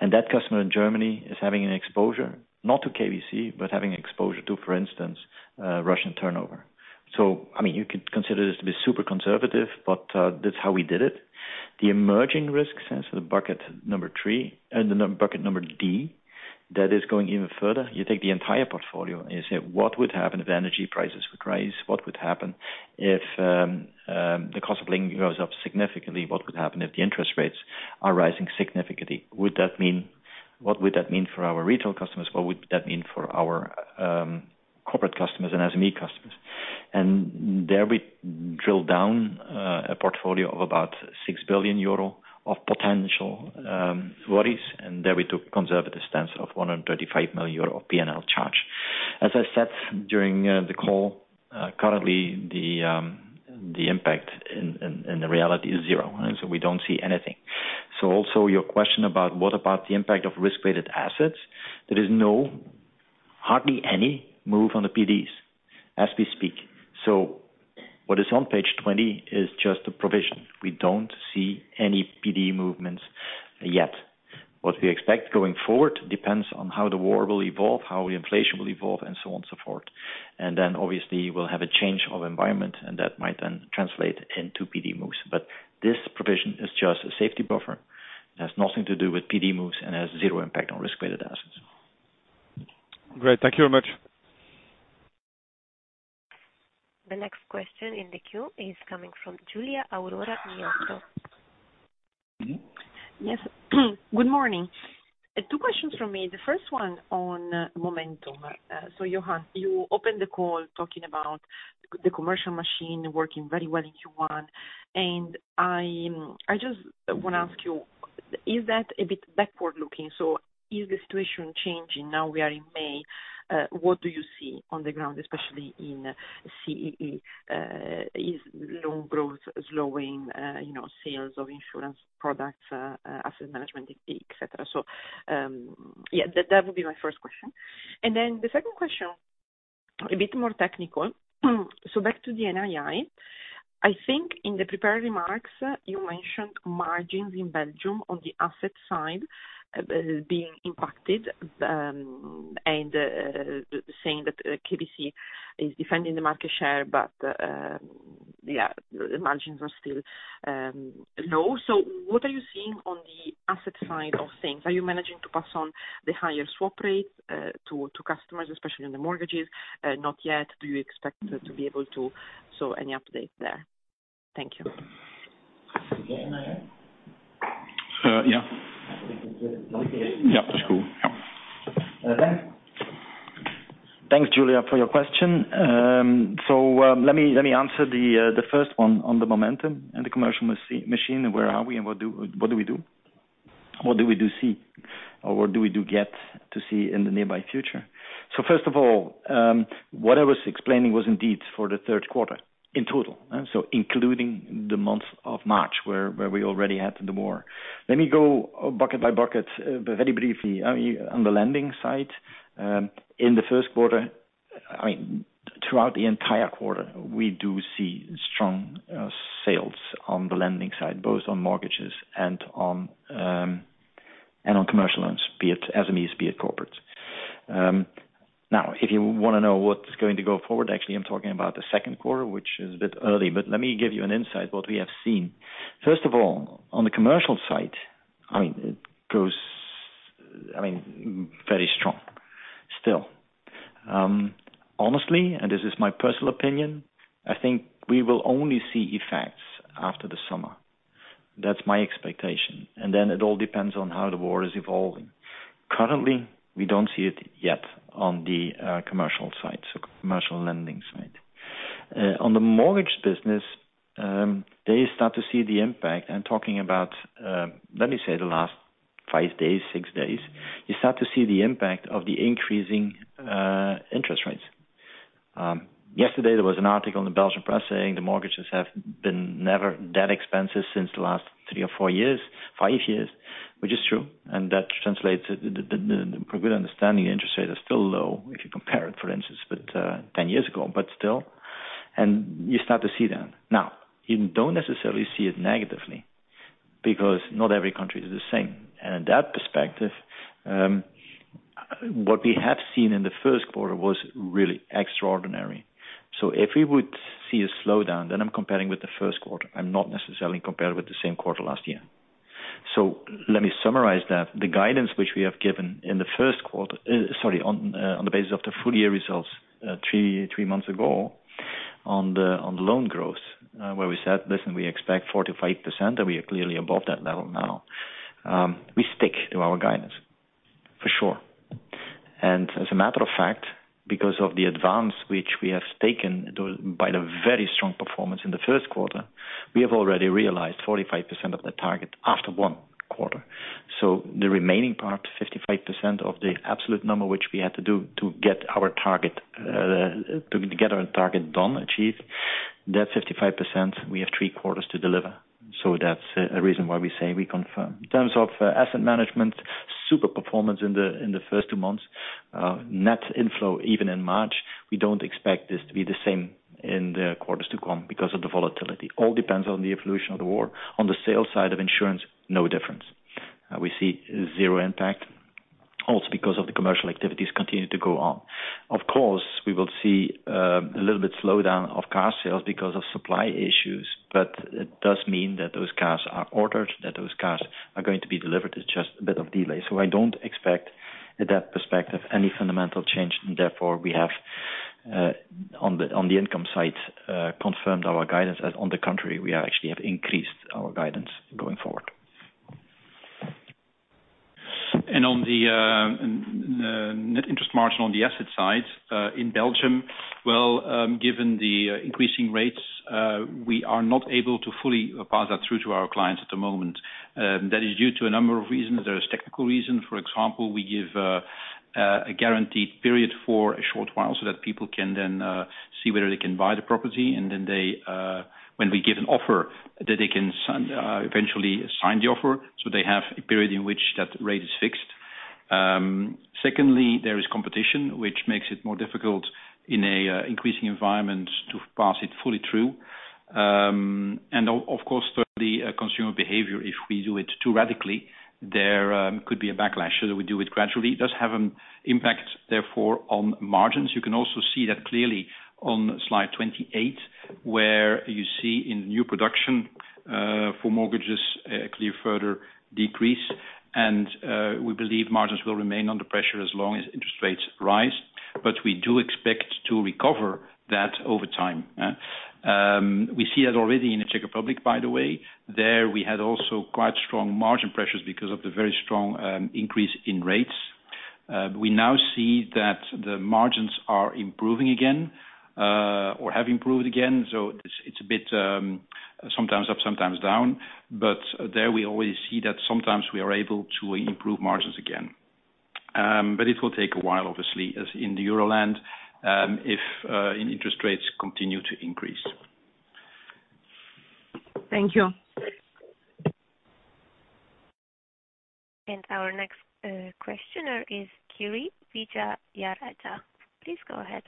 That customer in Germany is having an exposure, not to KBC, but having exposure to, for instance, Russian turnover. I mean, you could consider this to be super conservative, but that's how we did it. The emerging risks since, the bucket number three, bucket number D. That is going even further. You take the entire portfolio and you say, what would happen if energy prices would rise? What would happen if the cost of living goes up significantly? What would happen if the interest rates are rising significantly? What would that mean for our retail customers? What would that mean for our corporate customers and SME customers? There we drill down a portfolio of about 6 billion euro of potential worries, and there we took conservative stance of 135 million euro of P&L charge. As I said during the call, currently the impact and the reality is zero, and so we don't see anything. Also your question about what about the impact of risk-weighted assets, there is hardly any move on the PDs as we speak. What is on Page 20 is just a provision. We don't see any PD movements yet. What we expect going forward depends on how the war will evolve, how inflation will evolve, and so on, so forth. Then, obviously, we'll have a change of environment and that might then translate into PD moves. This provision is just a safety buffer. It has nothing to do with PD moves and has zero impact on risk-weighted assets. Great. Thank you very much. The next question in the queue is coming from Giulia Aurora Miotto. Mm-hmm. Yes. Good morning. Two questions from me. The first one on momentum. Johan, you opened the call talking about the commercial machine working very well in Q1. I just wanna ask you, is that a bit backward-looking? Is the situation changing now we are in May? What do you see on the ground, especially in CEE? Is loan growth slowing, you know, sales of insurance products, asset management, et cetera. That would be my first question. Then the second question, a bit more technical. Back to the NII. I think in the prepared remarks, you mentioned margins in Belgium on the asset side, being impacted, and saying that KBC is defending the market share, but yeah, the margins are still low. What are you seeing on the asset side of things? Are you managing to pass on the higher swap rates to customers, especially on the mortgages? Not yet. Do you expect to be able to? Any update there? Thank you. Okay, NII. Yeah. Yeah, that's cool. Yeah. Okay. Thanks, Giulia, for your question. Let me answer the first one on the momentum and the commercial machine, where are we and what do we see or what do we get to see in the near future? First of all, what I was explaining was indeed for the third quarter in total, including the month of March, where we already had the war. Let me go bucket by bucket, but very briefly. On the lending side, in the first quarter, I mean, throughout the entire quarter, we do see strong sales on the lending side, both on mortgages and on commercial loans, be it SMEs, be it corporates. Now, if you wanna know what's going to go forward, actually, I'm talking about the second quarter, which is a bit early, but let me give you an insight what we have seen. First of all, on the commercial side, I mean, it goes very strong still. Honestly, and this is my personal opinion, I think we will only see effects after the summer. That's my expectation. Then it all depends on how the war is evolving. Currently, we don't see it yet on the commercial side, so commercial lending side. On the mortgage business, they start to see the impact, I'm talking about, let me say the last five days, six days, you start to see the impact of the increasing interest rates. Yesterday there was an article in the Belgian press saying the mortgages have been never that expensive since the last three or four years, five years, which is true. That translates the for good understanding, interest rates are still low, if you compare it, for instance, with 10 years ago, but still. You start to see that. Now, you don't necessarily see it negatively because not every country is the same. In that perspective, what we have seen in the first quarter was really extraordinary. If we would see a slowdown, then I'm comparing with the first quarter. I'm not necessarily comparing with the same quarter last year. Let me summarize that. The guidance which we have given in the first quarter, sorry, on the basis of the full year results three months ago on the loan growth, where we said, listen, we expect 4%-5%, and we are clearly above that level now. We stick to our guidance for sure. As a matter of fact, because of the advance which we have taken by the very strong performance in the first quarter, we have already realized 45% of the target after one quarter. The remaining part, 55% of the absolute number, which we had to do to get our target done, achieved, that 55%, we have three quarters to deliver. That's a reason why we say we confirm. In terms of asset management, super performance in the first two months. Net inflow even in March, we don't expect this to be the same in the quarters to come because of the volatility. It all depends on the evolution of the war. On the sales side of insurance, no difference. We see zero impact also because the commercial activities continue to go on. Of course, we will see a little bit slowdown of car sales because of supply issues, but it does mean that those cars are ordered, that those cars are going to be delivered. It's just a bit of delay. I don't expect, from that perspective, any fundamental change, and therefore we have on the income side confirmed our guidance, as on the contrary, we have actually increased our guidance going forward. On the net interest margin on the asset side in Belgium, well, given the increasing rates, we are not able to fully pass that through to our clients at the moment. That is due to a number of reasons. There is technical reason. For example, we give a guaranteed period for a short while so that people can then see whether they can buy the property, and then they, when we give an offer, that they can eventually sign the offer, so they have a period in which that rate is fixed. Secondly, there is competition, which makes it more difficult in a increasing environment to pass it fully through. And of course, thirdly, consumer behavior, if we do it too radically, there could be a backlash. That we do it gradually. It does have an impact, therefore, on margins. You can also see that clearly on Slide 28, where you see in new production for mortgages a clear further decrease. We believe margins will remain under pressure as long as interest rates rise, but we do expect to recover that over time. We see that already in the Czech Republic, by the way. There we had also quite strong margin pressures because of the very strong increase in rates. We now see that the margins are improving again or have improved again. It's a bit, sometimes up, sometimes down. There we always see that sometimes we are able to improve margins again. It will take a while, obviously, as in Euroland, if interest rates continue to increase. Thank you. Our next questioner is Kiri Vijayarajah. Please go ahead.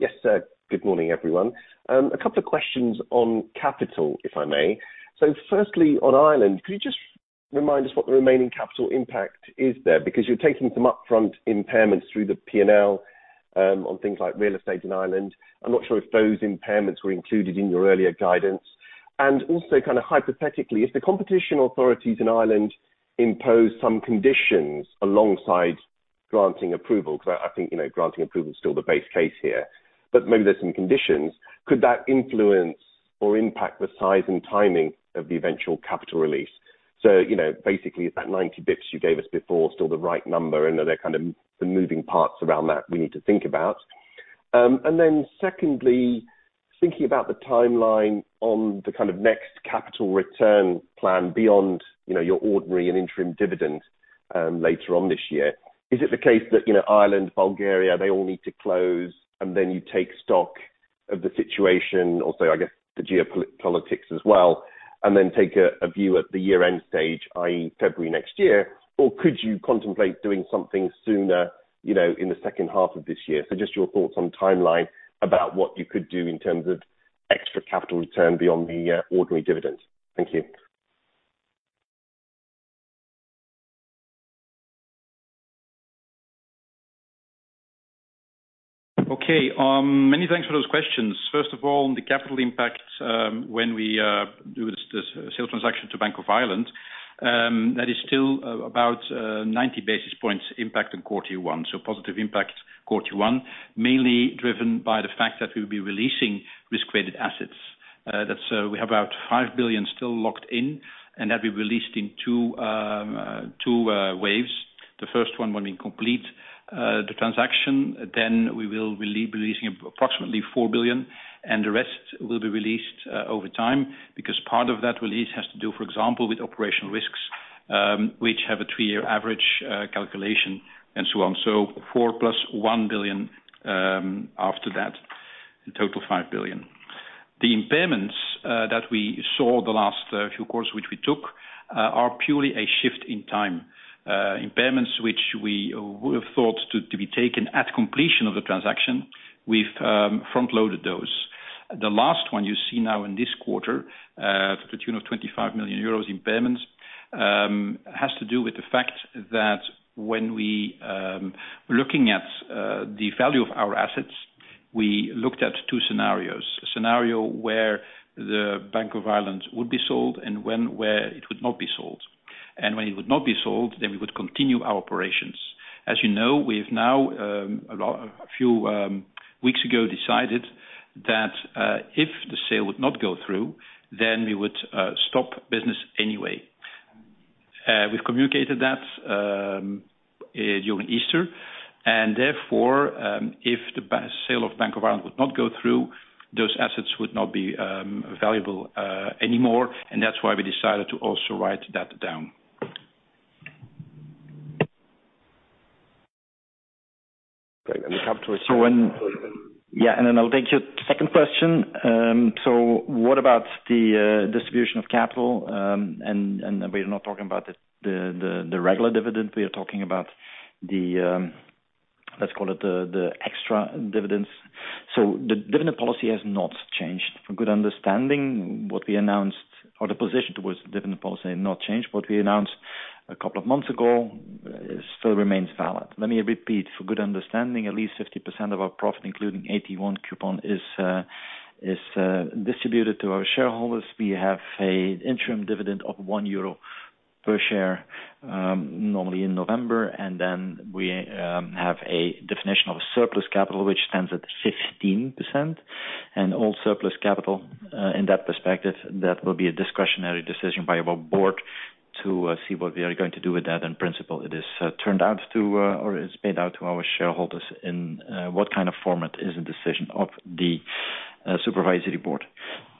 Yes, good morning, everyone. A couple of questions on capital, if I may. Firstly, on Ireland, could you just remind us what the remaining capital impact is there? Because you're taking some upfront impairments through the P&L, on things like real estate in Ireland. I'm not sure if those impairments were included in your earlier guidance. Also kind of hypothetically, if the competition authorities in Ireland impose some conditions alongside granting approval, 'cause I think, you know, granting approval is still the base case here, but maybe there's some conditions, could that influence or impact the size and timing of the eventual capital release? You know, basically, is that 90 basis points you gave us before still the right number and are there kind of the moving parts around that we need to think about. Secondly, thinking about the timeline on the kind of next capital return plan beyond, you know, your ordinary and interim dividend, later on this year. Is it the case that, you know, Ireland, Bulgaria, they all need to close and then you take stock of the situation, also, I guess, the geopolitics as well, and then take a view at the year-end stage, i.e., February next year? Or could you contemplate doing something sooner, you know, in the second half of this year? Just your thoughts on timeline about what you could do in terms of extra capital return beyond the ordinary dividends. Thank you. Many thanks for those questions. First of all, the capital impact, when we do this sale transaction to Bank of Ireland, that is still about 90 basis points impact in quarter one. Positive impact quarter one, mainly driven by the fact that we'll be releasing risk-weighted assets. That's we have about 5 billion still locked in, and that'll be released in two waves. The first one when we complete the transaction, then we will releasing approximately 4 billion, and the rest will be released over time, because part of that release has to do, for example, with operational risks, which have a three-year average calculation and so on. 4+1 billion, after that, a total of 5 billion. The impairments that we saw in the last few quarters, which we took, are purely a shift in time. Impairments which we would have thought to be taken at completion of the transaction, we've front-loaded those. The last one you see now in this quarter, to the tune of 25 million euros impairments, has to do with the fact that when we looked at the value of our assets, we looked at two scenarios. A scenario where the Bank of Ireland would be sold and where it would not be sold. When it would not be sold, then we would continue our operations. As you know, we've now a few weeks ago decided that if the sale would not go through, then we would stop business anyway. We've communicated that during Easter. Therefore, if the sale of Bank of Ireland would not go through, those assets would not be valuable anymore. That's why we decided to also write that down. And we come to a- I'll take your second question. What about the distribution of capital? We're not talking about the regular dividend, we are talking about the extra dividends. The dividend policy has not changed. For good understanding, what we announced or the position towards the dividend policy had not changed. What we announced a couple of months ago still remains valid. Let me repeat for good understanding, at least 50% of our profit, including AT1 coupon is distributed to our shareholders. We have an interim dividend of 1 euro. Per share, normally in November. Then we have a definition of surplus capital, which stands at 15%. All surplus capital, in that perspective, that will be a discretionary decision by our board to see what we are going to do with that. In principle, it is turned out to or is paid out to our shareholders. In what kind of format is the decision of the supervisory board?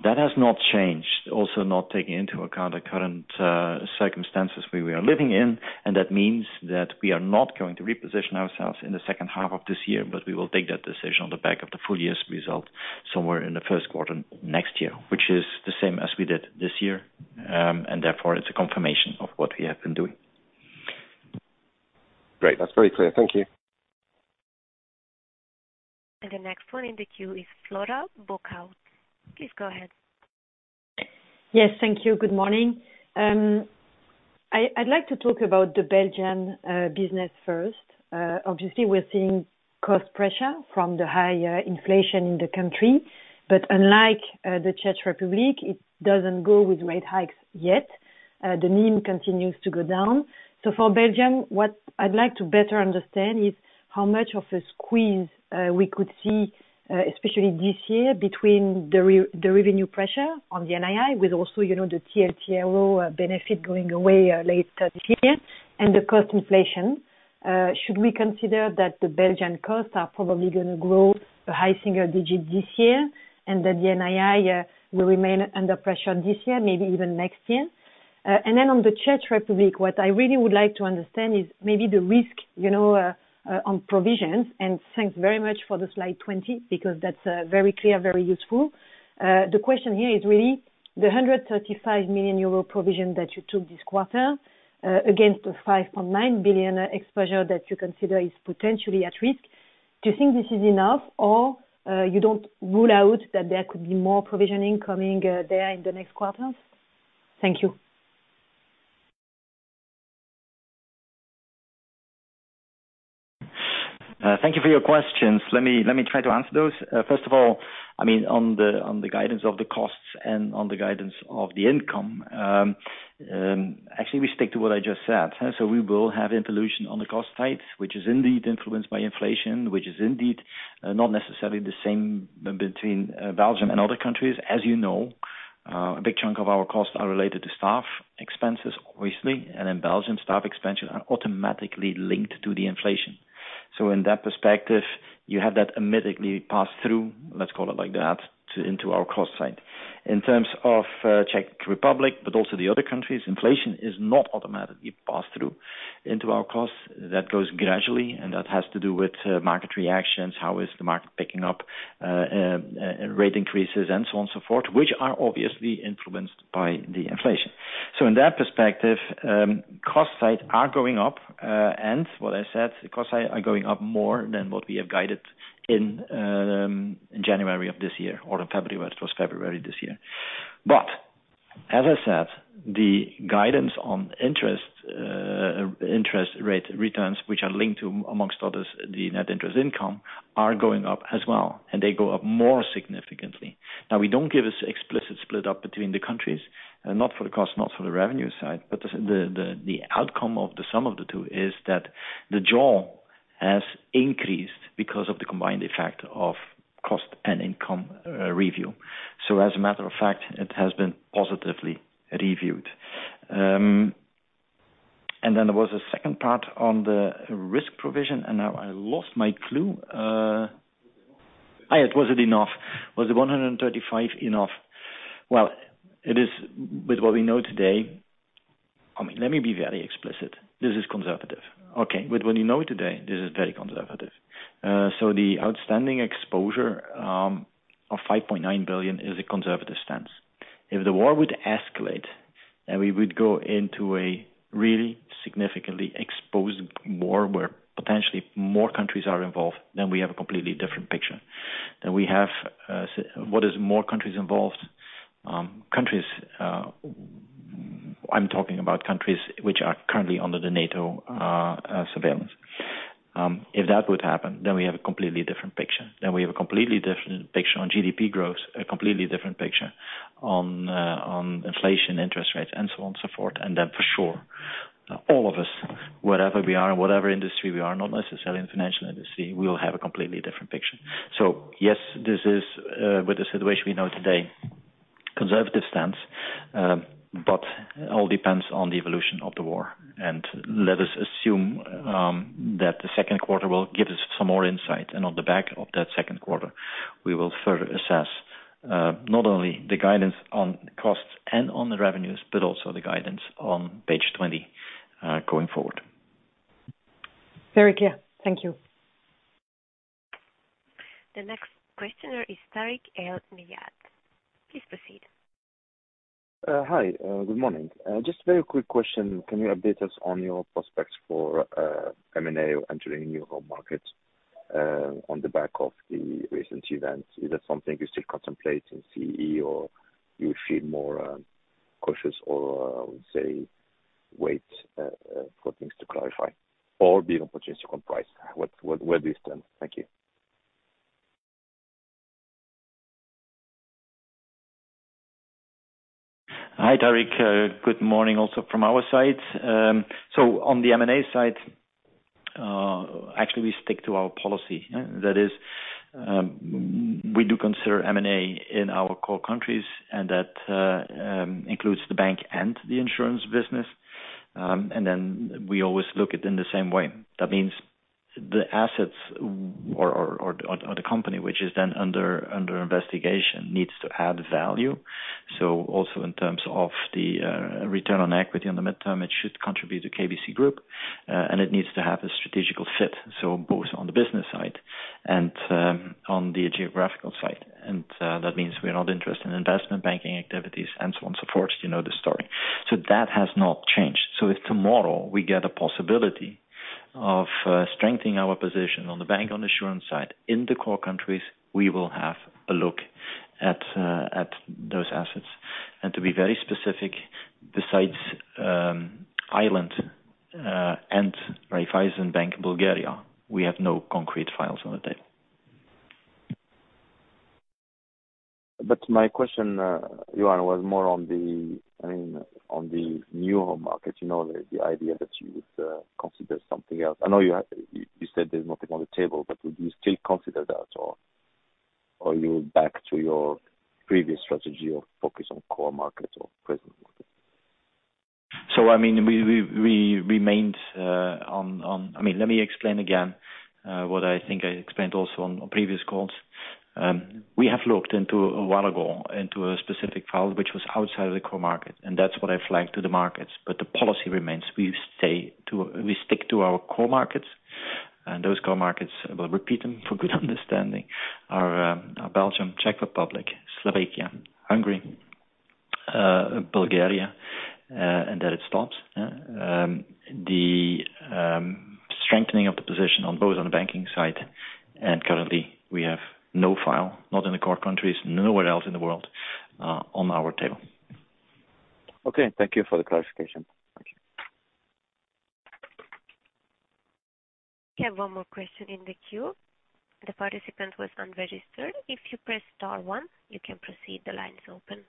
That has not changed, also not taking into account the current circumstances we are living in. That means that we are not going to reposition ourselves in the second half of this year, but we will take that decision on the back of the full year's result somewhere in the first quarter next year, which is the same as we did this year. Therefore it's a confirmation of what we have been doing. Great. That's very clear. Thank you. The next one in the queue is Flora Bocahut. Please go ahead. Yes, thank you. Good morning. I'd like to talk about the Belgian business first. Obviously we're seeing cost pressure from the high inflation in the country. Unlike the Czech Republic, it doesn't go with rate hikes yet. The NIM continues to go down. For Belgium, what I'd like to better understand is how much of a squeeze we could see, especially this year between the revenue pressure on the NII with also, you know, the TLTRO benefit going away later this year and the cost inflation. Should we consider that the Belgian costs are probably gonna grow a high single digit this year and that the NII will remain under pressure this year, maybe even next year? On the Czech Republic, what I really would like to understand is maybe the risk, you know, on provisions and thanks very much for the Slide 20 because that's very clear, very useful. The question here is really the 135 million euro provision that you took this quarter against the 5.9 billion exposure that you consider is potentially at risk. Do you think this is enough or you don't rule out that there could be more provisioning coming there in the next quarters? Thank you. Thank you for your questions. Let me try to answer those. First of all, I mean, on the guidance of the costs and on the guidance of the income, actually we stick to what I just said. We will have evolution on the cost side, which is indeed influenced by inflation, which is indeed not necessarily the same between Belgium and other countries. As you know, a big chunk of our costs are related to staff expenses, obviously. In Belgium, staff expenses are automatically linked to the inflation. In that perspective, you have that automatically pass through, let's call it like that, to into our cost side. In terms of Czech Republic, but also the other countries, inflation is not automatically passed through into our costs. That grows gradually, and that has to do with market reactions, how is the market picking up rate increases and so on and so forth, which are obviously influenced by the inflation. In that perspective, costs side are going up. What I said, costs are going up more than what we have guided in January of this year or in February. Well, it was February this year. As I said, the guidance on interest rate returns, which are linked to, among others, the net interest income, are going up as well, and they go up more significantly. Now, we don't give this explicit split up between the countries, not for the cost, not for the revenue side. The outcome of the sum of the two is that the draw has increased because of the combined effect of cost and income review. As a matter of fact, it has been positively reviewed. There was a second part on the risk provision, and now I lost my clue. Was it enough? It wasn't enough. Was the 135 enough? Well, it is with what we know today. I mean, let me be very explicit. This is conservative, okay? With what you know today, this is very conservative. So the outstanding exposure of 5.9 billion is a conservative stance. If the war would escalate and we would go into a really significantly exposed war where potentially more countries are involved, then we have a completely different picture. We have more countries involved, countries. I'm talking about countries which are currently under the NATO surveillance. If that would happen, then we have a completely different picture. We have a completely different picture on GDP growth, a completely different picture on inflation, interest rates, and so on and so forth. For sure, all of us, wherever we are, in whatever industry we are, not necessarily in the financial industry, we will have a completely different picture. Yes, this is, with the situation we know today, conservative stance, but it all depends on the evolution of the war. Let us assume that the second quarter will give us some more insight. On the back of that second quarter, we will further assess not only the guidance on costs and on the revenues, but also the guidance on Page 20 going forward. Very clear. Thank you. The next questioner is Tarik El Mejjad. Please proceed. Hi. Good morning. Just a very quick question. Can you update us on your prospects for M&A entering new home markets on the back of the recent events? Is that something you still contemplate in CE or you feel more cautious or say wait for things to clarify? The opportunity on price, what where do you stand? Thank you. Hi, Tarik. Good morning also from our side. On the M&A side, actually we stick to our policy. That is, we do consider M&A in our core countries, and that includes the bank and the insurance business. Then we always look at in the same way. That means the assets or the company, which is then under investigation, needs to add value. Also in terms of the return on equity on the mid-term, it should contribute to KBC Group, and it needs to have a strategic fit, so both on the business side and on the geographical side. That means we're not interested in investment banking activities and so on, so forth you know the story. That has not changed. If tomorrow we get a possibility of strengthening our position on the bank, on the insurance side, in the core countries, we will have a look at those assets. To be very specific, besides Ireland and Raiffeisen Bank in Bulgaria, we have no concrete files on the table. But my question, Johan, was more on the, I mean, on the new market, you know, the idea that you would consider something else. I know you said there's nothing on the table, but would you still consider that, or are you back to your previous strategy of focus on core markets or present markets? I mean, let me explain again, what I think I explained also on previous calls. We have looked into a while ago into a specific file which was outside of the core market, and that's what I flagged to the markets. The policy remains, we stick to our core markets, and those core markets I'll repeat them for good understanding, are Belgium, Czech Republic, Slovakia, Hungary, Bulgaria, and that it stops. The strengthening of the position on both on the banking side and currently we have no file, not in the core countries, nowhere else in the world, on our table. Okay. Thank you for the clarification. Thank you. We have one more question in the queue. The participant was unregistered. If you press star one, you can proceed. The line is open.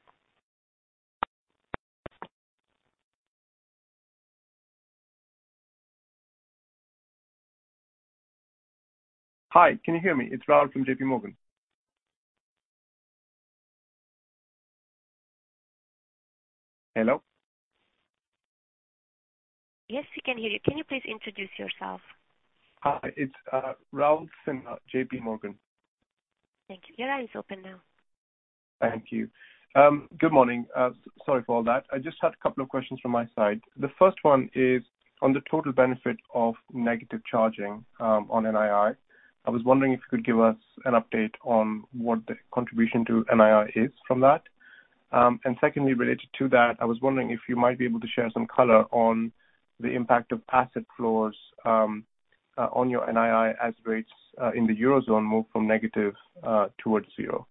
Hi, can you hear me? It's Rahul from JPMorgan. Hello. Yes, we can hear you. Can you please introduce yourself? Hi, it's Rahul Sinha from JPMorgan. Thank you. Your line is open now. Thank you. Good morning. Sorry for all that. I just had a couple of questions from my side. The first one is on the total benefit of negative charging on NII. I was wondering if you could give us an update on what the contribution to NII is from that. Secondly, related to that, I was wondering if you might be able to share some color on the impact of asset floors on your NII as rates in the Eurozone move from negative towards zero.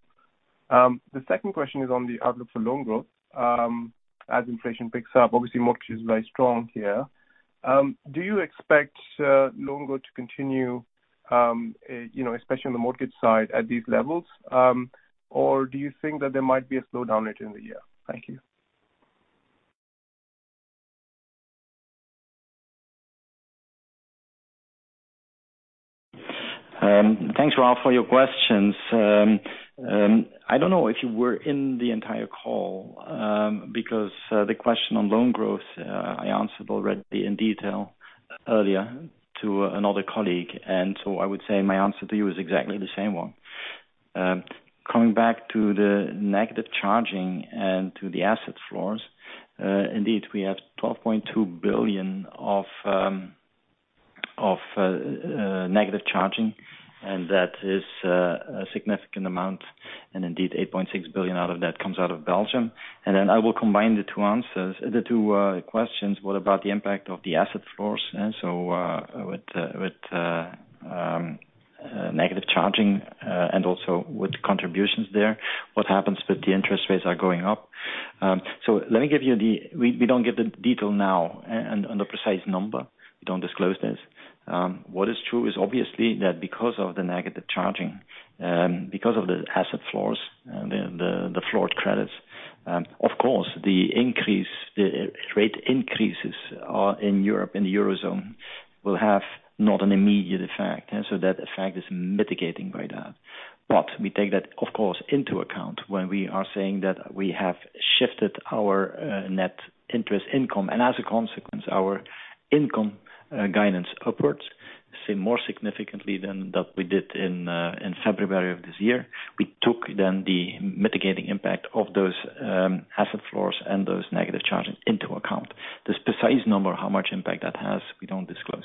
The second question is on the outlook for loan growth as inflation picks up. Obviously, mortgage is very strong here. Do you expect loan growth to continue, you know, especially on the mortgage side at these levels? Do you think that there might be a slowdown later in the year? Thank you. Thanks, Rahul, for your questions. I don't know if you were in the entire call, because the question on loan growth, I answered already in detail earlier to another colleague. I would say my answer to you is exactly the same one. Coming back to the negative carry and to the asset floors. Indeed, we have 12.2 billion of negative carry, and that is a significant amount. Indeed, 8.6 billion out of that comes out of Belgium. I will combine the two answers, the two questions. What about the impact of the asset floors? With negative carry and also with contributions there. What happens with the interest rates are going up? Let me give you the. We don't give the details now and the precise number. We don't disclose this. What is true is obviously that because of the negative carry, because of the asset floors, the floor credits, of course, the rate increases in Europe, in the Eurozone will not have an immediate effect. That effect is mitigated by that. We take that, of course, into account when we are saying that we have shifted our net interest income and as a consequence our income guidance upwards, so more significantly than we did in February of this year. We took then the mitigating impact of those asset floors and those negative carry into account. The precise number, how much impact that has, we don't disclose.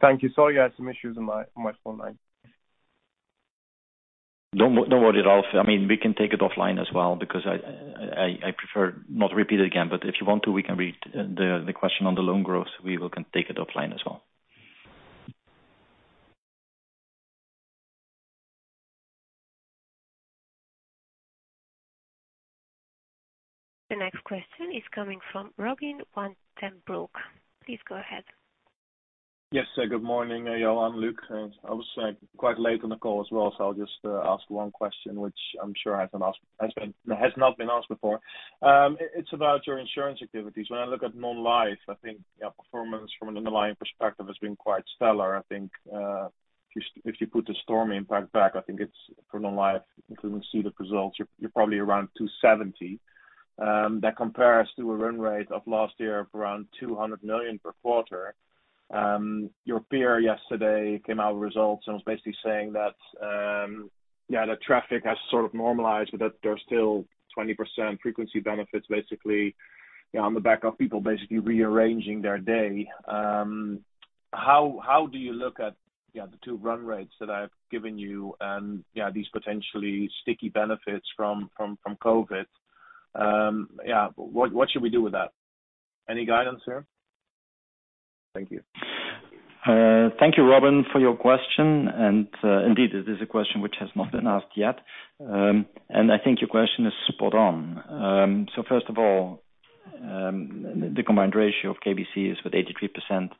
Thank you. Sorry, I had some issues on my phone line. Don't worry at all. I mean, we can take it offline as well because I prefer not to repeat it again. But if you want to, we can read the question on the loan growth. We can take it offline as well. The next question is coming from Robin van den Broek. Please go ahead. Yes. Good morning, y'all. I'm Luke. I was, like, quite late on the call as well, so I'll just ask one question, which I'm sure has not been asked before. It's about your insurance activities. When I look at non-life, I think your performance from an underlying perspective has been quite stellar. I think, if you put the storm impact back, I think it's for non-life, if we would see the results, you're probably around 270 million. That compares to a run rate of last year of around 200 million per quarter. Your peer yesterday came out with results and was basically saying that, yeah, the traffic has sort of normalized, but that there are still 20% frequency benefits basically on the back of people basically rearranging their day. How do you look at, yeah, the two run rates that I've given you and, yeah, these potentially sticky benefits from COVID? Yeah. What should we do with that? Any guidance there? Thank you. Thank you, Robin, for your question. Indeed, it is a question which has not been asked yet. I think your question is spot on. First of all, the combined ratio of KBC is with 83%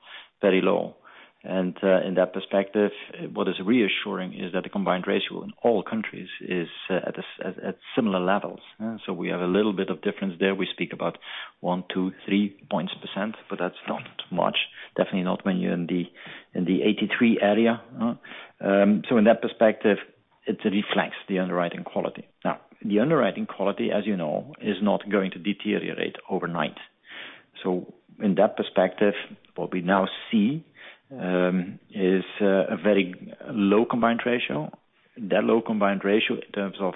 very low. In that perspective, what is reassuring is that the combined ratio in all countries is at similar levels. We have a little bit of difference there. We speak about one, two, three percentage points, but that's not much, definitely not when you're in the 83% area. In that perspective, it reflects the underwriting quality. The underwriting quality, as you know, is not going to deteriorate overnight. In that perspective, what we now see is a very low combined ratio. That low combined ratio in terms of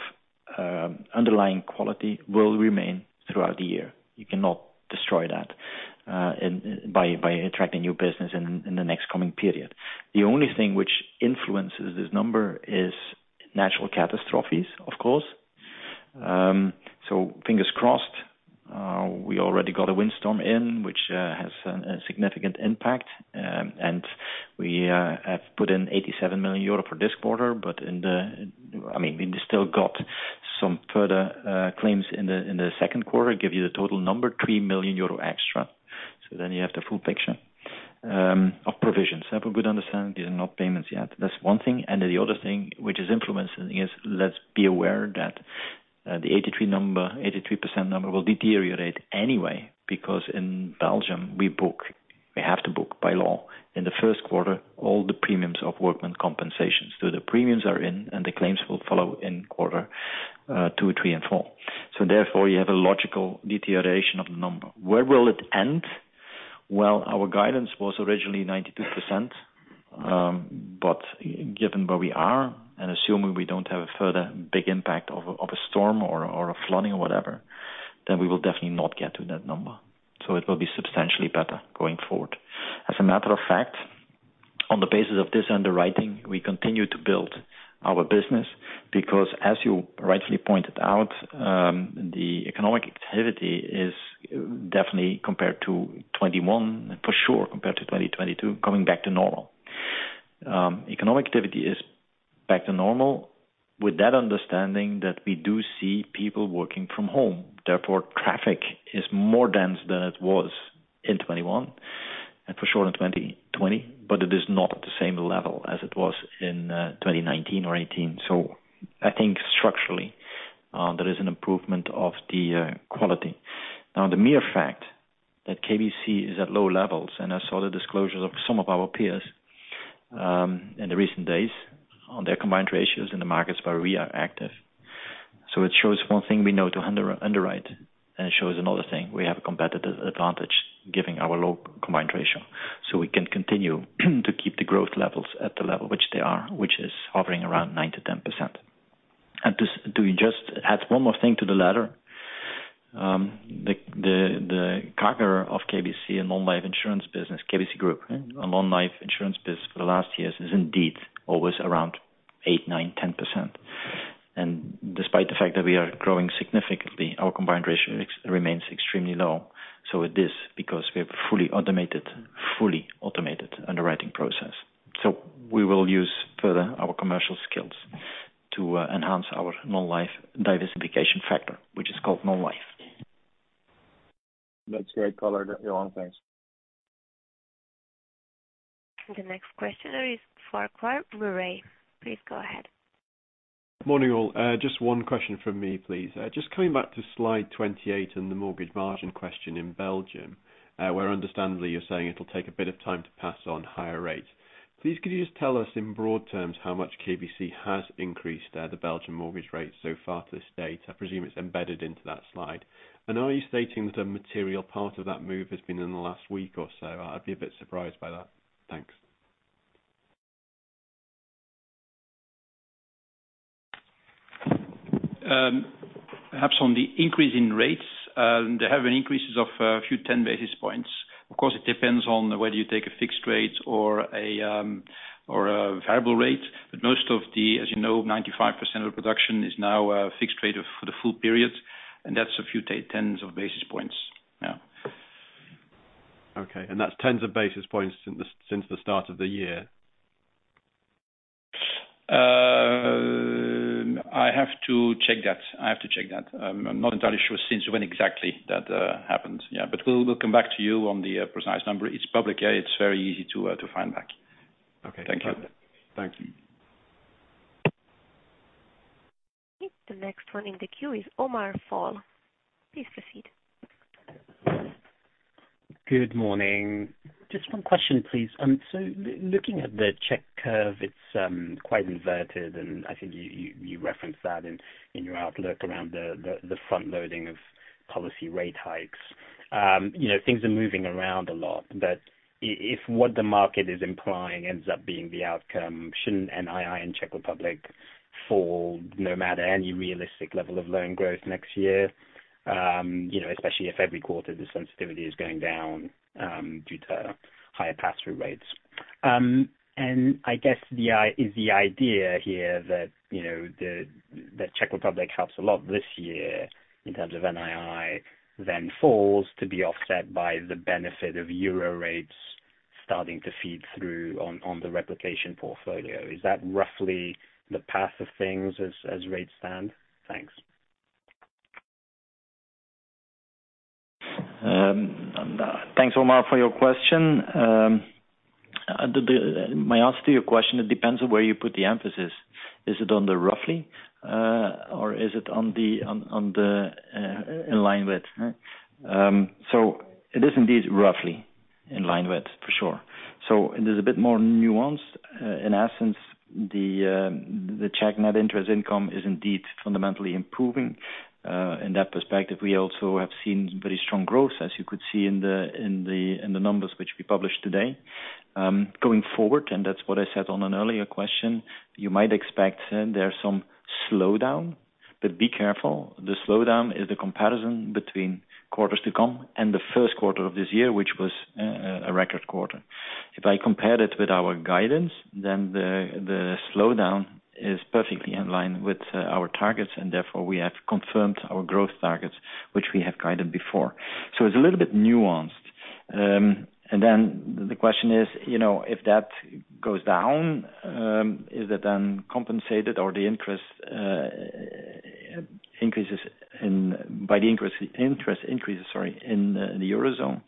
underlying quality will remain throughout the year. You cannot destroy that by attracting new business in the next coming period. The only thing which influences this number is natural catastrophes, of course. Fingers crossed, we already got a windstorm in which has a significant impact. We have put in 87 million euro for this quarter. I mean, we still got some further claims in the second quarter, give you the total number, 3 million euro extra. Then you have the full picture of provisions. Have a good understanding, these are not payments yet. That's one thing. The other thing which is influencing is let's be aware that the 83 number, 83% number will deteriorate anyway because in Belgium we book, we have to book by law. In the first quarter, all the premiums of workmen's compensations. The premiums are in, and the claims will follow in quarter two, three, and four. Therefore, you have a logical deterioration of the number. Where will it end? Well, our guidance was originally 92%, but given where we are and assuming we don't have a further big impact of a storm or a flooding or whatever, then we will definitely not get to that number. It will be substantially better going forward. As a matter of fact, on the basis of this underwriting, we continue to build our business because as you rightfully pointed out, the economic activity is definitely compared to 2021, for sure, compared to 2022, coming back to normal. Economic activity is back to normal with that understanding that we do see people working from home. Therefore, traffic is more dense than it was in 2021 and for sure in 2020, but it is not at the same level as it was in 2019 or 2018. I think structurally, there is an improvement of the quality. Now, the mere fact that KBC is at low levels, and I saw the disclosures of some of our peers in the recent days on their combined ratios in the markets where we are active. It shows one thing we know to underwrite, and it shows another thing, we have a competitive advantage given our low combined ratio. We can continue to keep the growth levels at the level which they are, which is hovering around 9%-10%. To just add one more thing to the latter, the pattern of KBC and non-life insurance business, KBC Group, on non-life insurance business for the last years is indeed always around 8%-10%. Despite the fact that we are growing significantly, our combined ratio remains extremely low. It is because we have a fully automated underwriting process. We will use further our commercial skills to enhance our non-life diversification factor, which is called non-life. That's great color, Johan. Thanks. The next questioner is Farquhar Murray. Please go ahead. Morning, all. Just one question from me, please. Just coming back to Slide 28 and the mortgage margin question in Belgium, where understandably, you're saying it'll take a bit of time to pass on higher rates. Please, could you just tell us in broad terms how much KBC has increased the Belgian mortgage rates so far to this date? I presume it's embedded into that slide. Are you stating that a material part of that move has been in the last week or so? I'd be a bit surprised by that. Thanks. Perhaps on the increase in rates, they have an increase of a few tens of basis points. Of course, it depends on whether you take a fixed rate or a variable rate. Most of the, as you know, 95% of production is now a fixed rate for the full period, and that's a few tens of basis points. Okay. That's tens of basis points since the start of the year? I have to check that. I'm not entirely sure since when exactly that happened. Yeah. We'll come back to you on the precise number. It's public. Yeah, it's very easy to find back. Okay. Thank you. Thank you. The next one in the queue is Omar Fall. Please proceed. Good morning. Just one question, please. So looking at the Czech curve, it's quite inverted, and I think you referenced that in your outlook around the front loading of policy rate hikes. You know, things are moving around a lot, but if what the market is implying ends up being the outcome, shouldn't NII in Czech Republic fall no matter any realistic level of loan growth next year? You know, especially if every quarter the sensitivity is going down due to higher pass-through rates. I guess the idea here is that, you know, the Czech Republic helps a lot this year in terms of NII then falls to be offset by the benefit of euro rates starting to feed through on the replicating portfolio. Is that roughly the path of things as rates stand? Thanks. Thanks, Omar, for your question. My answer to your question, it depends on where you put the emphasis. Is it on the roughly, or is it on the in line with? It is indeed roughly in line with for sure. It is a bit more nuanced. In essence, the Czech net interest income is indeed fundamentally improving. In that perspective, we also have seen very strong growth, as you could see in the numbers which we published today. Going forward, that's what I said on an earlier question, you might expect there's some slowdown, but be careful. The slowdown is the comparison between quarters to come and the first quarter of this year, which was a record quarter. If I compared it with our guidance, then the slowdown is perfectly in line with our targets, and therefore we have confirmed our growth targets, which we have guided before. It's a little bit nuanced. The question is, if that goes down, is it then compensated by the interest increases in the Eurozone?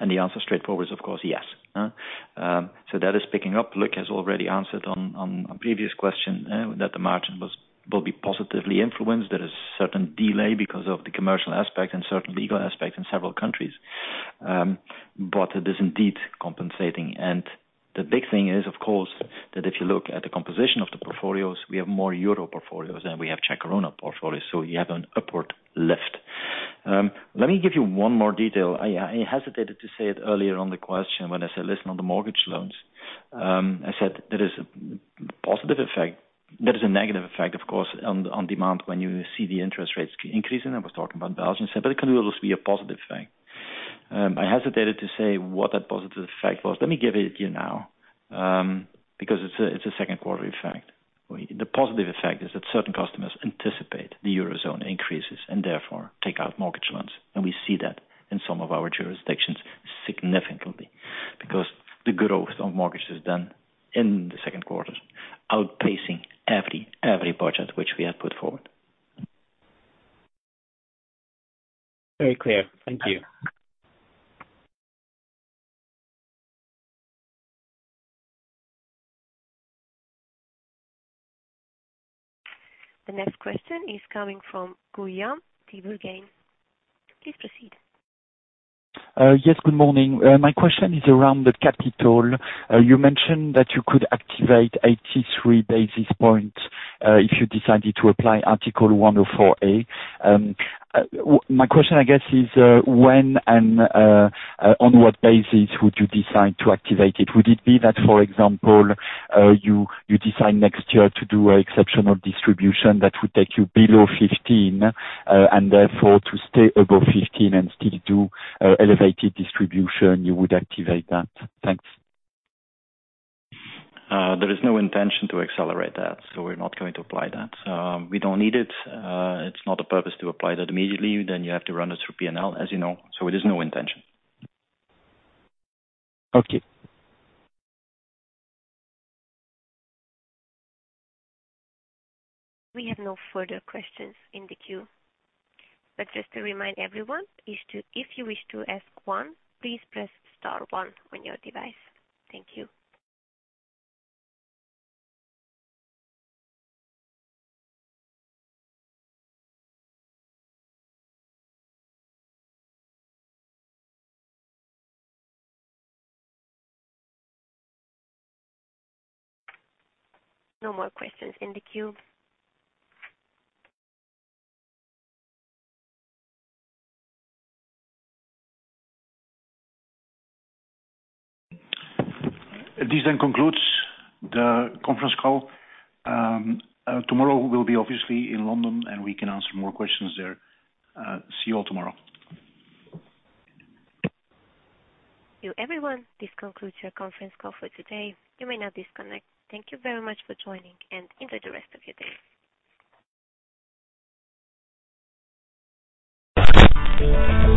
The answer straightforward is of course yes. That is picking up. Luc has already answered on a previous question that the margin will be positively influenced. There is certain delay because of the commercial aspect and certain legal aspects in several countries, but it is indeed compensating. The big thing is, of course, that if you look at the composition of the portfolios, we have more euro portfolios than we have Czech koruna portfolios, so you have an upward lift. Let me give you one more detail. I hesitated to say it earlier on the question when I said, listen, on the mortgage loans, I said there is a positive effect. There is a negative effect, of course, on demand when you see the interest rates increasing. I was talking about Belgium, but it can also be a positive effect. I hesitated to say what that positive effect was. Let me give it to you now, because it's a second quarter effect. The positive effect is that certain customers anticipate the Eurozone increases and therefore take out mortgage loans. We see that in some of our jurisdictions significantly because the growth of mortgages done in the second quarters outpacing every budget which we had put forward. Very clear. Thank you. The next question is coming from Guillaume Tiberghien. Please proceed. Yes, good morning. My question is around the capital. You mentioned that you could activate 83 basis points if you decided to apply Article 104a. My question, I guess, is when and on what basis would you decide to activate it? Would it be that, for example, you decide next year to do an exceptional distribution that would take you below 15 and therefore to stay above 15 and still do elevated distribution, you would activate that? Thanks. There is no intention to accelerate that, so we're not going to apply that. We don't need it. It's not a purpose to apply that immediately. You have to run it through P&L, as you know. There's no intention. Okay. We have no further questions in the queue. Just to remind everyone, if you wish to ask one, please press star one on your device. Thank you. No more questions in the queue. This concludes the conference call. Tomorrow we'll be obviously in London, and we can answer more questions there. See you all tomorrow. Thank you, everyone. This concludes your conference call for today. You may now disconnect. Thank you very much for joining, and enjoy the rest of your day.